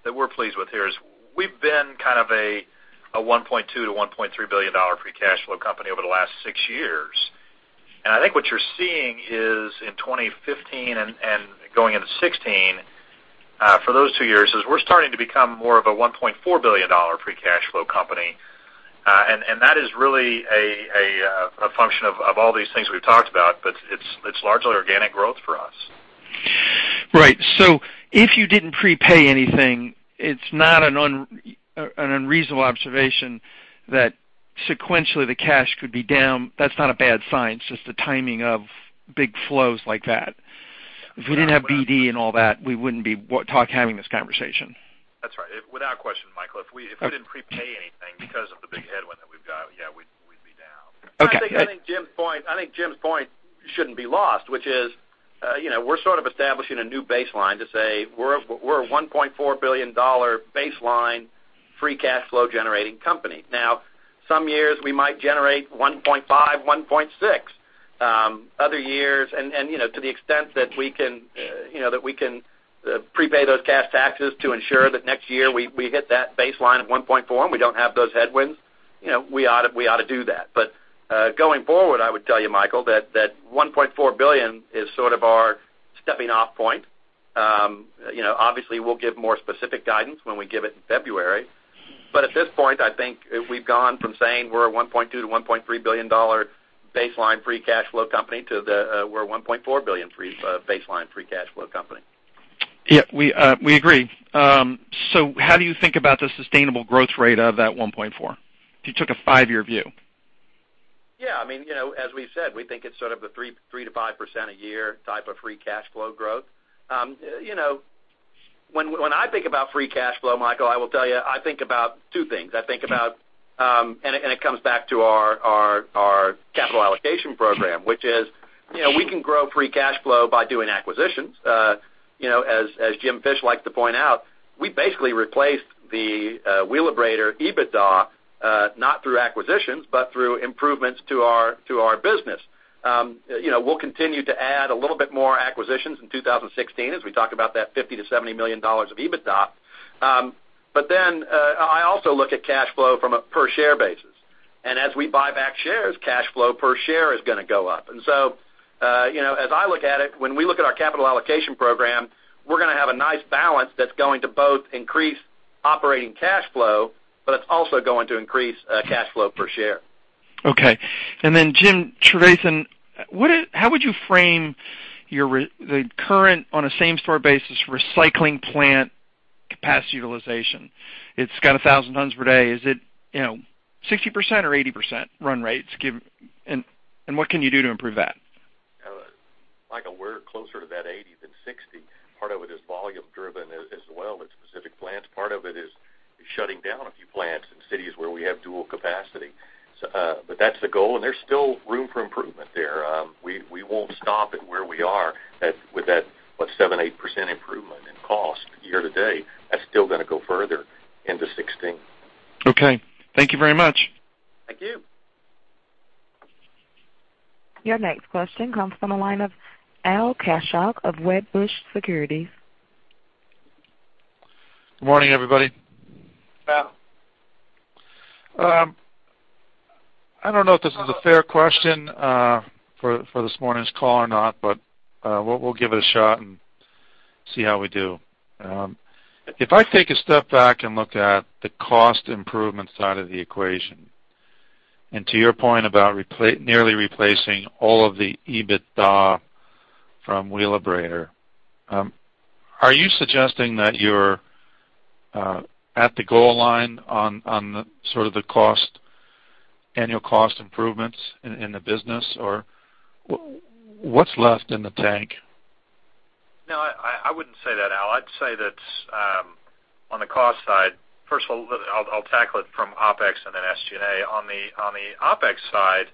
that we're pleased with here is we've been kind of a $1.2 billion to $1.3 billion free cash flow company over the last six years. I think what you're seeing is in 2015 and going into 2016, for those two years, is we're starting to become more of a $1.4 billion free cash flow company. That is really a function of all these things we've talked about, but it's largely organic growth for us. Right. If you didn't prepay anything, it's not an unreasonable observation that sequentially the cash could be down. That's not a bad sign, it's just the timing of big flows like that. If we didn't have BD and all that, we wouldn't be having this conversation. That's right. Without question, Michael, if we didn't prepay anything because of the big headwind that we've got, yeah, we'd be down. Okay. I think Jim's point shouldn't be lost, which is we're sort of establishing a new baseline to say we're a $1.4 billion baseline free cash flow generating company. Some years we might generate $1.5 billion, $1.6 billion. Other years, to the extent that we can prepay those cash taxes to ensure that next year we hit that baseline of $1.4 billion, and we don't have those headwinds, we ought to do that. Going forward, I would tell you, Michael, that $1.4 billion is sort of our stepping-off point. Obviously, we'll give more specific guidance when we give it in February. At this point, I think we've gone from saying we're a $1.2 billion-$1.3 billion baseline free cash flow company to we're a $1.4 billion baseline free cash flow company. Yeah, we agree. How do you think about the sustainable growth rate of that $1.4 billion, if you took a five-year view? Yeah. As we've said, we think it's sort of a 3%-5% a year type of free cash flow growth. When I think about free cash flow, Michael, I will tell you, I think about two things. It comes back to our capital allocation program, which is we can grow free cash flow by doing acquisitions. As Jim Fish likes to point out, we basically replaced the Wheelabrator EBITDA, not through acquisitions, but through improvements to our business. We'll continue to add a little bit more acquisitions in 2016 as we talk about that $50 million-$70 million of EBITDA. I also look at cash flow from a per share basis. As we buy back shares, cash flow per share is going to go up. As I look at it, when we look at our capital allocation program, we're going to have a nice balance that's going to both increase operating cash flow, it's also going to increase cash flow per share. Okay. Then Jim Trevathan, how would you frame the current on a same store basis recycling plant capacity utilization? It's got 1,000 tons per day. Is it 60% or 80% run rates? What can you do to improve that? Michael, we're closer to that 80 than 60. Part of it is volume driven as well at specific plants. Part of it is shutting down a few plants in cities where we have dual capacity. That's the goal, and there's still room for improvement there. We won't stop at where we are with that, what, 7%, 8% improvement in cost year to date. That's still going to go further into 2016. Okay. Thank you very much. Thank you. Your next question comes from the line of Al Kaschalk of Wedbush Securities. Good morning, everybody. Al. I don't know if this is a fair question for this morning's call or not, we'll give it a shot and see how we do. If I take a step back and look at the cost improvement side of the equation, to your point about nearly replacing all of the EBITDA from Wheelabrator, are you suggesting that you're at the goal line on sort of the annual cost improvements in the business, or what's left in the tank? No, I wouldn't say that, Al. I'd say that on the cost side, first of all, I'll tackle it from OpEx and then SG&A. On the OpEx side,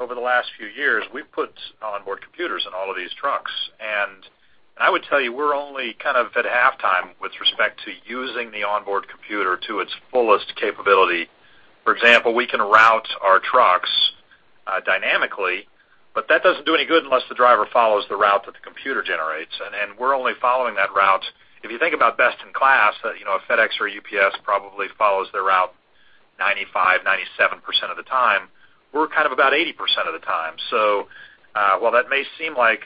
over the last few years, we've put onboard computers in all of these trucks. I would tell you, we're only kind of at halftime with respect to using the onboard computer to its fullest capability. For example, we can route our trucks dynamically, that doesn't do any good unless the driver follows the route that the computer generates. We're only following that route. If you think about best in class, a FedEx or UPS probably follows their route 95%, 97% of the time. We're kind of about 80% of the time. While that may seem like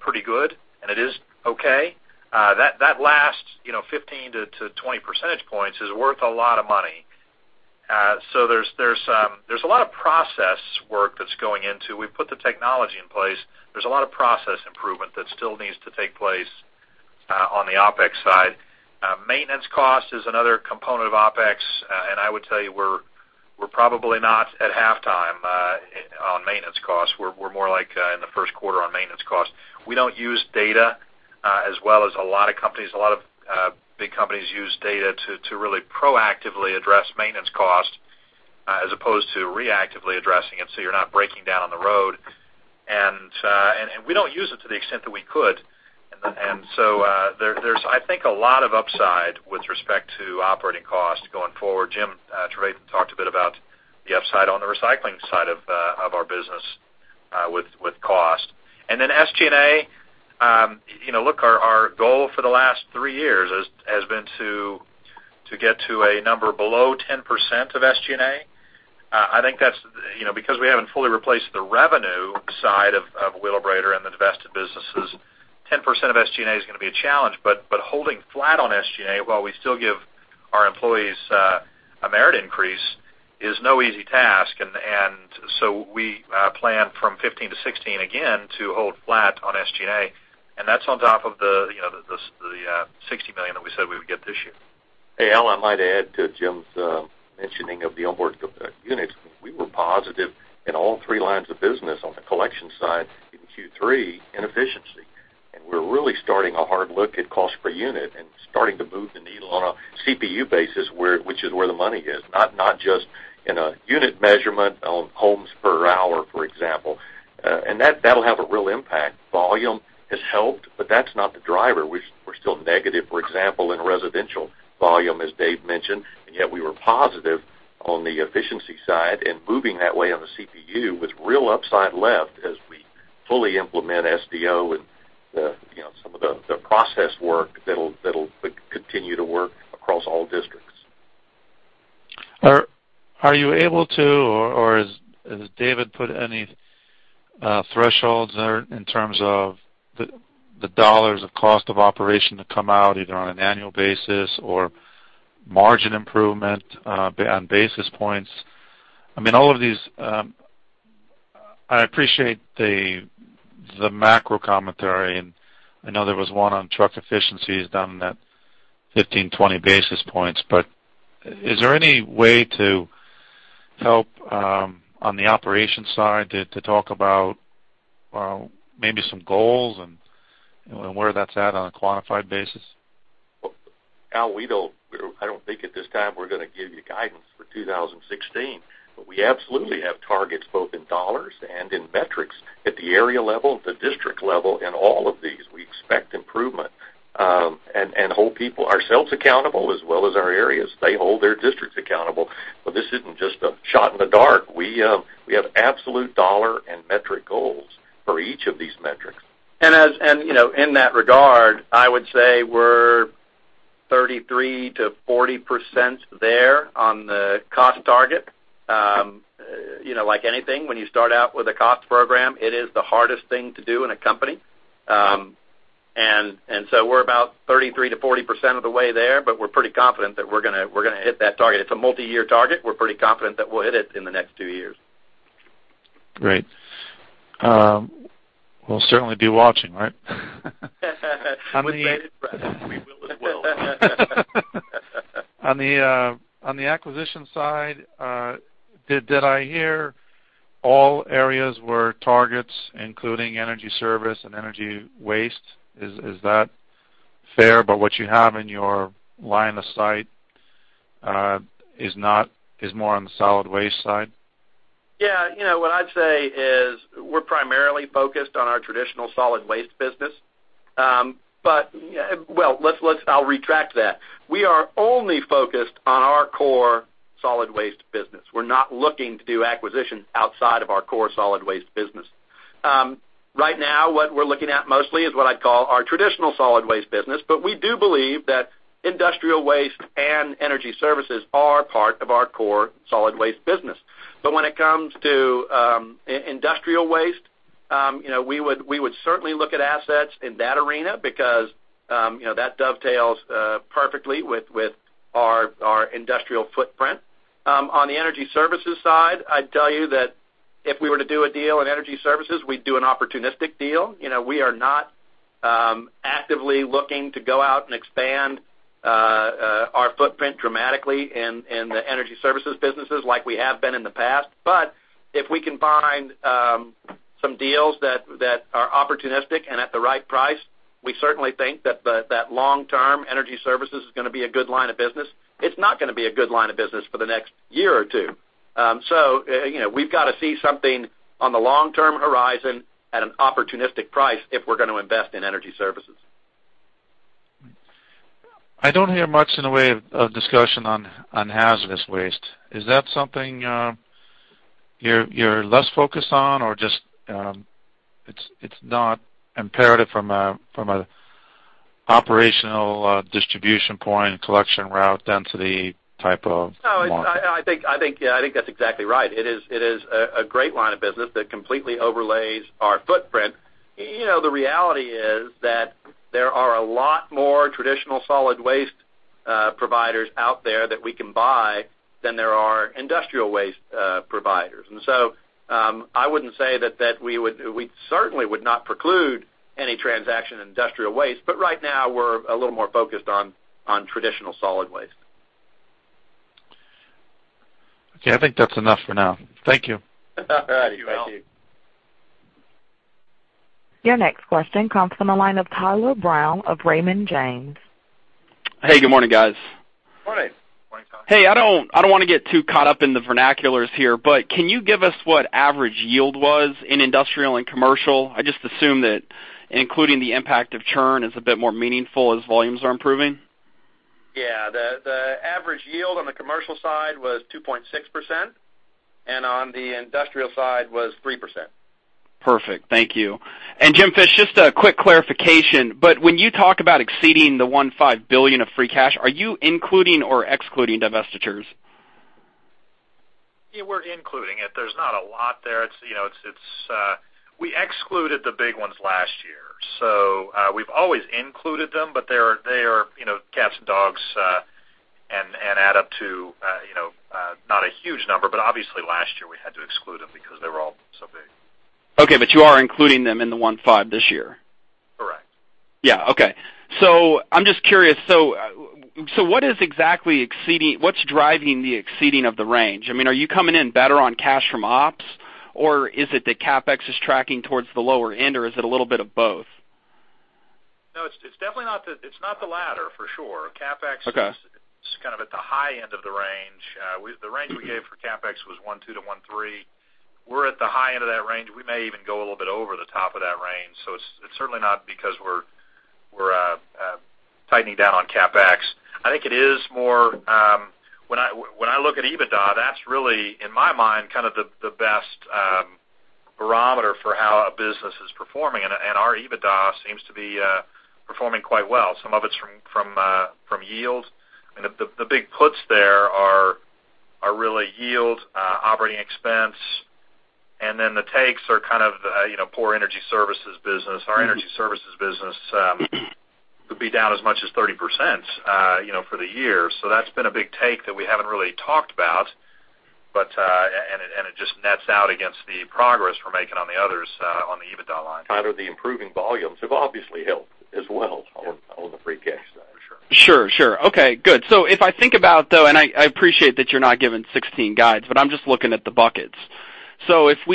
pretty good, and it is okay. That last 15-20 percentage points is worth a lot of money. There's a lot of process work that's going into. We've put the technology in place. There's a lot of process improvement that still needs to take place on the OpEx side. Maintenance cost is another component of OpEx, and I would tell you, we're probably not at halftime on maintenance costs. We're more like in the first quarter on maintenance costs. We don't use data as well as a lot of companies. A lot of big companies use data to really proactively address maintenance costs as opposed to reactively addressing it, so you're not breaking down on the road. We don't use it to the extent that we could. There's, I think, a lot of upside with respect to operating costs going forward. Jim talked a bit about the upside on the recycling side of our business with cost. SG&A, look, our goal for the last three years has been to get to a number below 10% of SG&A. I think because we haven't fully replaced the revenue side of Wheelabrator and the divested businesses, 10% of SG&A is going to be a challenge, but holding flat on SG&A while we still give our employees a merit increase is no easy task. We plan from 2015 to 2016 again to hold flat on SG&A, and that's on top of the $60 million that we said we would get this year. Hey, Al, I might add to Jim's mentioning of the onboard units. We were positive in all three lines of business on the collection side in Q3 in efficiency. We're really starting a hard look at cost per unit and starting to move the needle on a CPU basis, which is where the money is, not just in a unit measurement on homes per hour, for example. That'll have a real impact. Volume has helped, but that's not the driver. We're still negative, for example, in residential volume, as Dave mentioned, and yet we were positive on the efficiency side and moving that way on the CPU with real upside left as we fully implement SDO and some of the process work that'll continue to work across all districts. Are you able to, or has David put any thresholds in terms of the dollars of cost of operation to come out, either on an annual basis or margin improvement on basis points? I appreciate the macro commentary, and I know there was one on truck efficiencies down that 15, 20 basis points, but is there any way to help on the operations side to talk about maybe some goals and where that's at on a quantified basis? Al, I don't think at this time we're going to give you guidance for 2016, we absolutely have targets both in dollars and in metrics at the area level, the district level, and all of these. We expect improvement and hold people ourselves accountable as well as our areas. They hold their districts accountable. This isn't just a shot in the dark. We have absolute dollar and metric goals for each of these metrics. In that regard, I would say we're 33%-40% there on the cost target. Like anything, when you start out with a cost program, it is the hardest thing to do in a company. We're about 33%-40% of the way there, but we're pretty confident that we're going to hit that target. It's a multi-year target. We're pretty confident that we'll hit it in the next two years. Great. We'll certainly be watching, right? We will as well. On the acquisition side, did I hear all areas were targets, including energy services and energy waste? Is that fair? What you have in your line of sight is more on the solid waste side? Yeah. What I'd say is we're primarily focused on our traditional solid waste business. Well, I'll retract that. We are only focused on our core solid waste business. We're not looking to do acquisitions outside of our core solid waste business. Right now, what we're looking at mostly is what I'd call our traditional solid waste business, we do believe that industrial waste and energy services are part of our core solid waste business. When it comes to industrial waste, we would certainly look at assets in that arena because that dovetails perfectly with our industrial footprint. On the energy services side, I'd tell you that if we were to do a deal in energy services, we'd do an opportunistic deal. We are not actively looking to go out and expand our footprint dramatically in the energy services businesses like we have been in the past. If we can find some deals that are opportunistic and at the right price, we certainly think that long-term energy services is going to be a good line of business. It's not going to be a good line of business for the next year or two. We've got to see something on the long-term horizon at an opportunistic price if we're going to invest in energy services. I don't hear much in the way of discussion on hazardous waste. Is that something you're less focused on or just it's not imperative from Operational distribution point and collection route density type of mark? No, I think that's exactly right. It is a great line of business that completely overlays our footprint. The reality is that there are a lot more traditional solid waste providers out there that we can buy than there are industrial waste providers. I wouldn't say that We certainly would not preclude any transaction in industrial waste. Right now, we're a little more focused on traditional solid waste. Okay. I think that's enough for now. Thank you. All right. Thank you. Your next question comes from the line of Tyler Brown of Raymond James. Hey, good morning, guys. Morning. Morning, Tyler. Hey, I don't want to get too caught up in the vernaculars here, but can you give us what average yield was in industrial and commercial? I just assume that including the impact of churn is a bit more meaningful as volumes are improving. Yeah. The average yield on the commercial side was 2.6%, and on the industrial side was 3%. Perfect. Thank you. Jim Fish, just a quick clarification, but when you talk about exceeding the $1.5 billion of free cash, are you including or excluding divestitures? Yeah. We're including it. There's not a lot there. We excluded the big ones last year. We've always included them, but they are cats and dogs, add up to not a huge number, obviously last year, we had to exclude them because they were all so big. Okay, you are including them in the $1.5 this year? Correct. Yeah. Okay. I'm just curious, what's driving the exceeding of the range? I mean, are you coming in better on cash from ops, or is it that CapEx is tracking towards the lower end, or is it a little bit of both? No, it's definitely not the latter, for sure. Okay. CapEx is kind of at the high end of the range. The range we gave for CapEx was $1.2 billion-$1.3 billion. We're at the high end of that range. We may even go a little bit over the top of that range. It's certainly not because we're tightening down on CapEx. I think it is more, when I look at EBITDA, that's really, in my mind, kind of the best barometer for how a business is performing. Our EBITDA seems to be performing quite well. Some of it's from yield, the big puts there are really yield, OpEx, the takes are kind of poor energy services business. Our energy services business could be down as much as 30% for the year. That's been a big take that we haven't really talked about, it just nets out against the progress we're making on the others on the EBITDA line. Kind of the improving volumes have obviously helped as well on the free cash side. For sure. If I think about, though, and I appreciate that you're not giving 16 guides, but I'm just looking at the buckets. If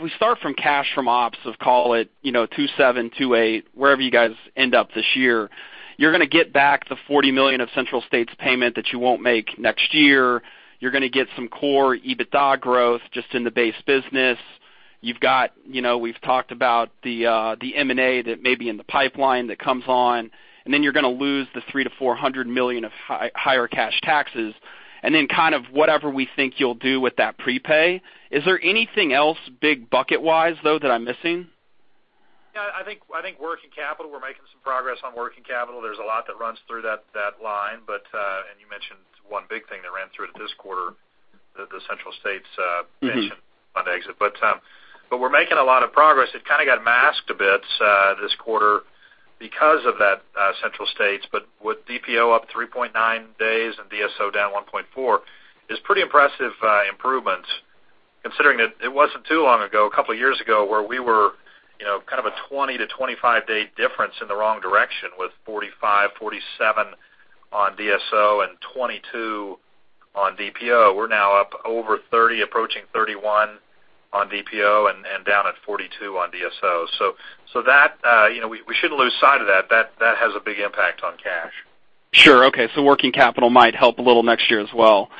we start from cash from ops of call it two seven, two eight, wherever you guys end up this year, you're going to get back the $40 million of Central States payment that you won't make next year. You're going to get some core EBITDA growth just in the base business. We've talked about the M&A that may be in the pipeline that comes on, then you're going to lose the $300 million-$400 million of higher cash taxes. Kind of whatever we think you'll do with that prepay. Is there anything else big bucket-wise, though, that I'm missing? Yeah, I think working capital, we're making some progress on working capital. There's a lot that runs through that line. You mentioned one big thing that ran through it this quarter, the Central States pension on exit. We're making a lot of progress. It kind of got masked a bit this quarter because of that Central States, but with DPO up 3.9 days and DSO down 1.4, is pretty impressive improvements considering that it wasn't too long ago, a couple of years ago, where we were kind of a 20-25 day difference in the wrong direction, with 45, 47 on DSO and 22 on DPO. We're now up over 30, approaching 31 on DPO and down at 42 on DSO. We shouldn't lose sight of that. That has a big impact on cash. Sure. Okay. Working capital might help a little next year as well.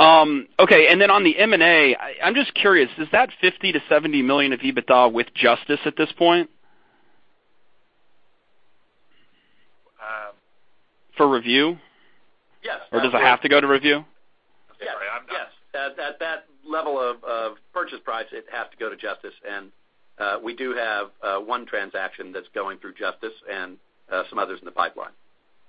Okay. Then on the M&A, I'm just curious, is that $50 million-$70 million of EBITDA with Justice at this point? For review? Yes. Does it have to go to review? Yes. That level of purchase price, it has to go to Justice, and we do have one transaction that's going through Justice and some others in the pipeline.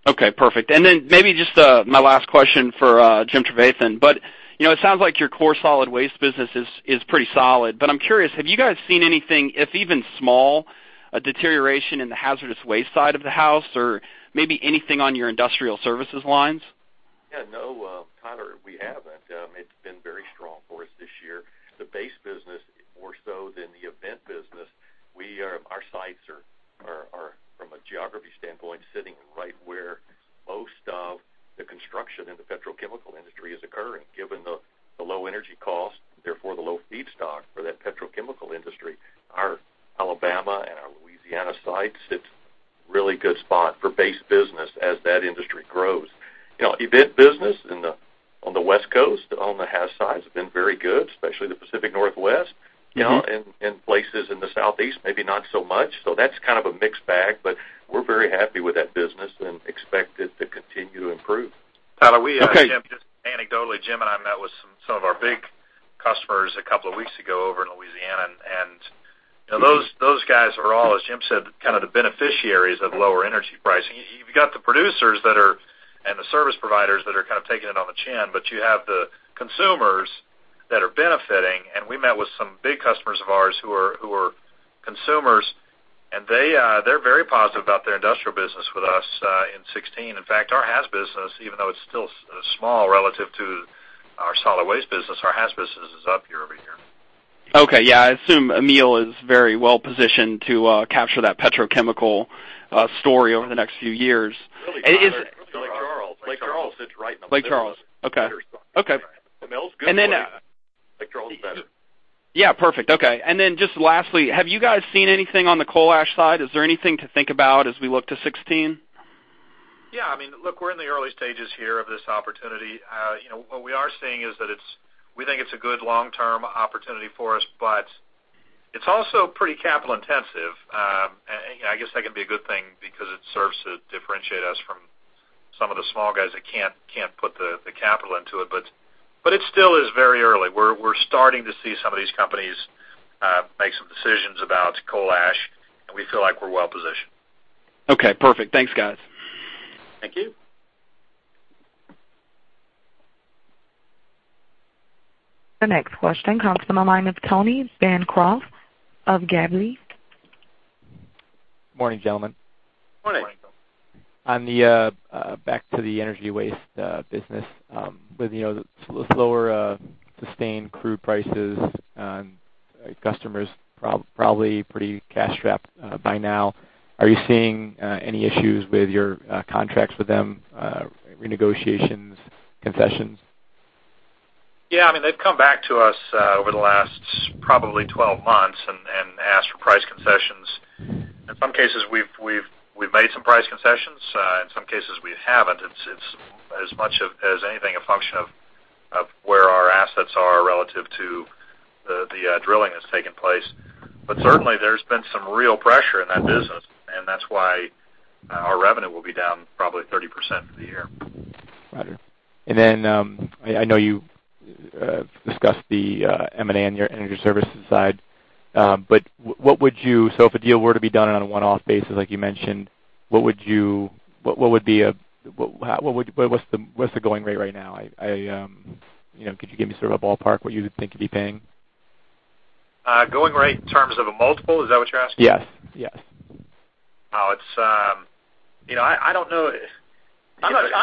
Okay, perfect. Then maybe just my last question for Jim Trevathan, but it sounds like your core solid waste business is pretty solid. I'm curious, have you guys seen anything, if even small, a deterioration in the hazardous waste side of the house or maybe anything on your industrial services lines? Yeah, no, Tyler, we haven't. It's been very strong for us this year. The base business more so than the event business. Our sites are, from a geography standpoint, sitting right where most of the construction in the petrochemical industry is occurring, given the low energy cost, therefore the low feedstock for that petrochemical industry. Our Alabama and our Louisiana sites, it's really good spot for base business as that industry grows. Event business on the West Coast on the haz sides have been very good, especially the Pacific Northwest. In places in the Southeast, maybe not so much. That's kind of a mixed bag, but we're very happy with that business and expect it to continue to improve. Tyler, just anecdotally, Jim and I met with some of our big customers a couple of weeks ago over in Louisiana, those guys are all, as Jim said, the beneficiaries of lower energy pricing. You've got the producers and the service providers that are taking it on the chin, but you have the consumers that are benefiting. We met with some big customers of ours who are consumers, and they're very positive about their industrial business with us in 2016. In fact, our haz business, even though it's still small relative to our solid waste business, our haz business is up year-over-year. Okay. Yeah, I assume Emelle is very well-positioned to capture that petrochemical story over the next few years. Really, [inaudible] it's Lake Charles. Lake Charles. Lake Charles sits right in the middle of it. Lake Charles. Okay. Very strong. Okay. Emelle's good, but Lake Charles is better. Yeah, perfect. Okay. Then just lastly, have you guys seen anything on the coal ash side? Is there anything to think about as we look to 2016? Yeah. Look, we're in the early stages here of this opportunity. What we are seeing is that we think it's a good long-term opportunity for us, but it's also pretty capital intensive. I guess that can be a good thing because it serves to differentiate us from some of the small guys that can't put the capital into it. It still is very early. We're starting to see some of these companies make some decisions about coal ash, and we feel like we're well-positioned. Okay, perfect. Thanks, guys. Thank you. The next question comes from the line of Tony Bancroft of Gabelli. Morning, gentlemen. Morning. Back to the energy waste business. With the slower sustained crude prices and customers probably pretty cash-strapped by now, are you seeing any issues with your contracts with them, renegotiations, concessions? Yeah, they've come back to us over the last probably 12 months and asked for price concessions. In some cases, we've made some price concessions. In some cases, we haven't. It's as much of as anything, a function of where our assets are relative to the drilling that's taken place. Certainly, there's been some real pressure in that business, that's why our revenue will be down probably 30% for the year. Got it. I know you discussed the M&A on your energy services side. If a deal were to be done on a one-off basis like you mentioned, what's the going rate right now? Could you give me sort of a ballpark what you would think you'd be paying? Going rate in terms of a multiple? Is that what you're asking? Yes. I'm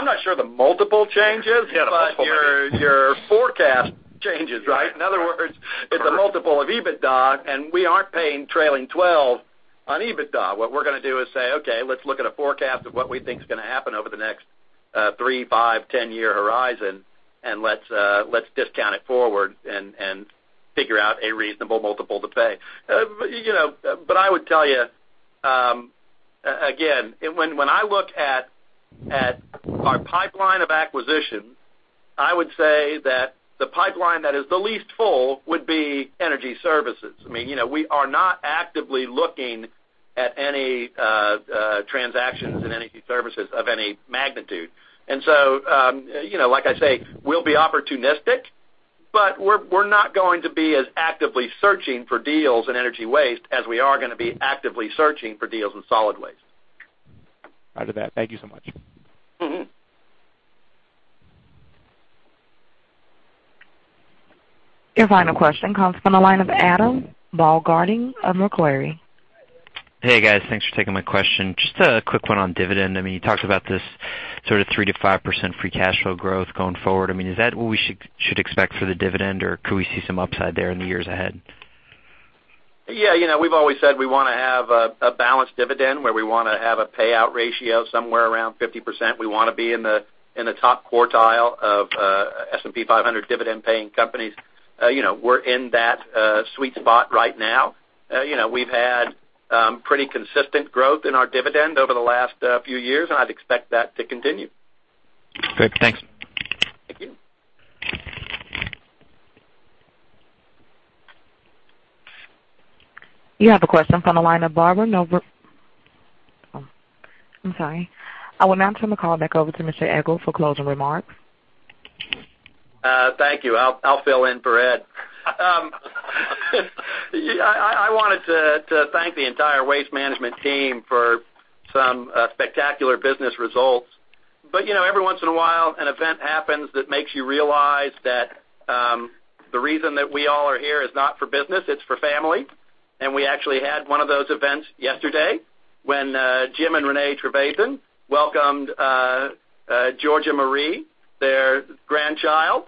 not sure the multiple changes. Yeah, the multiple might Your forecast changes, right? In other words, it's a multiple of EBITDA, and we aren't paying trailing 12 on EBITDA. What we're going to do is say, "Okay, let's look at a forecast of what we think is going to happen over the next three, five, 10-year horizon, and let's discount it forward and figure out a reasonable multiple to pay." I would tell you, again, when I look at our pipeline of acquisitions, I would say that the pipeline that is the least full would be energy services. We are not actively looking at any transactions in energy services of any magnitude. Like I say, we'll be opportunistic, but we're not going to be as actively searching for deals in energy waste as we are going to be actively searching for deals in solid waste. Roger that. Thank you so much. Your final question comes from the line of Adam Balgaarding of Macquarie. Hey, guys. Thanks for taking my question. Just a quick one on dividend. You talked about this sort of 3% to 5% free cash flow growth going forward. Is that what we should expect for the dividend, or could we see some upside there in the years ahead? We've always said we want to have a balanced dividend where we want to have a payout ratio somewhere around 50%. We want to be in the top quartile of S&P 500 dividend-paying companies. We're in that sweet spot right now. We've had pretty consistent growth in our dividend over the last few years, and I'd expect that to continue. Great. Thanks. Thank you. You have a question from the line of Barbara Nova. I'm sorry. I will now turn the call back over to Mr. Egl for closing remarks. Thank you. I'll fill in for Egl. I wanted to thank the entire Waste Management team for some spectacular business results. Every once in a while, an event happens that makes you realize that the reason that we all are here is not for business, it's for family. We actually had one of those events yesterday when Jim and Renee Trevathan welcomed Georgia Marie, their grandchild.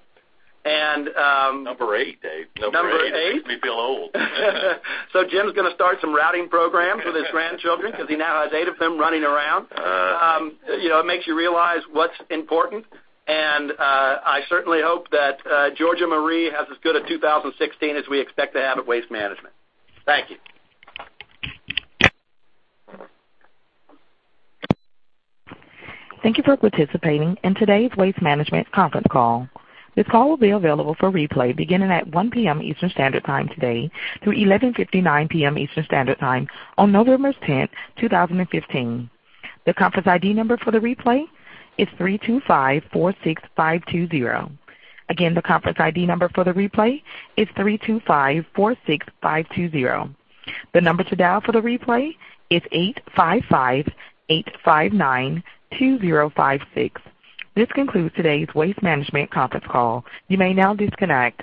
Number eight, Dave. Number eight. Number eight. It makes me feel old. Jim's going to start some routing programs with his grandchildren because he now has eight of them running around. It makes you realize what's important, and I certainly hope that Georgia Marie has as good a 2016 as we expect to have at Waste Management. Thank you. Thank you for participating in today's Waste Management conference call. This call will be available for replay beginning at 1:00 P.M. Eastern Standard Time today through 11:59 P.M. Eastern Standard Time on November 10th, 2015. The conference ID number for the replay is 32546520. The conference ID number for the replay is 32546520. The number to dial for the replay is 855-859-2056. This concludes today's Waste Management conference call. You may now disconnect.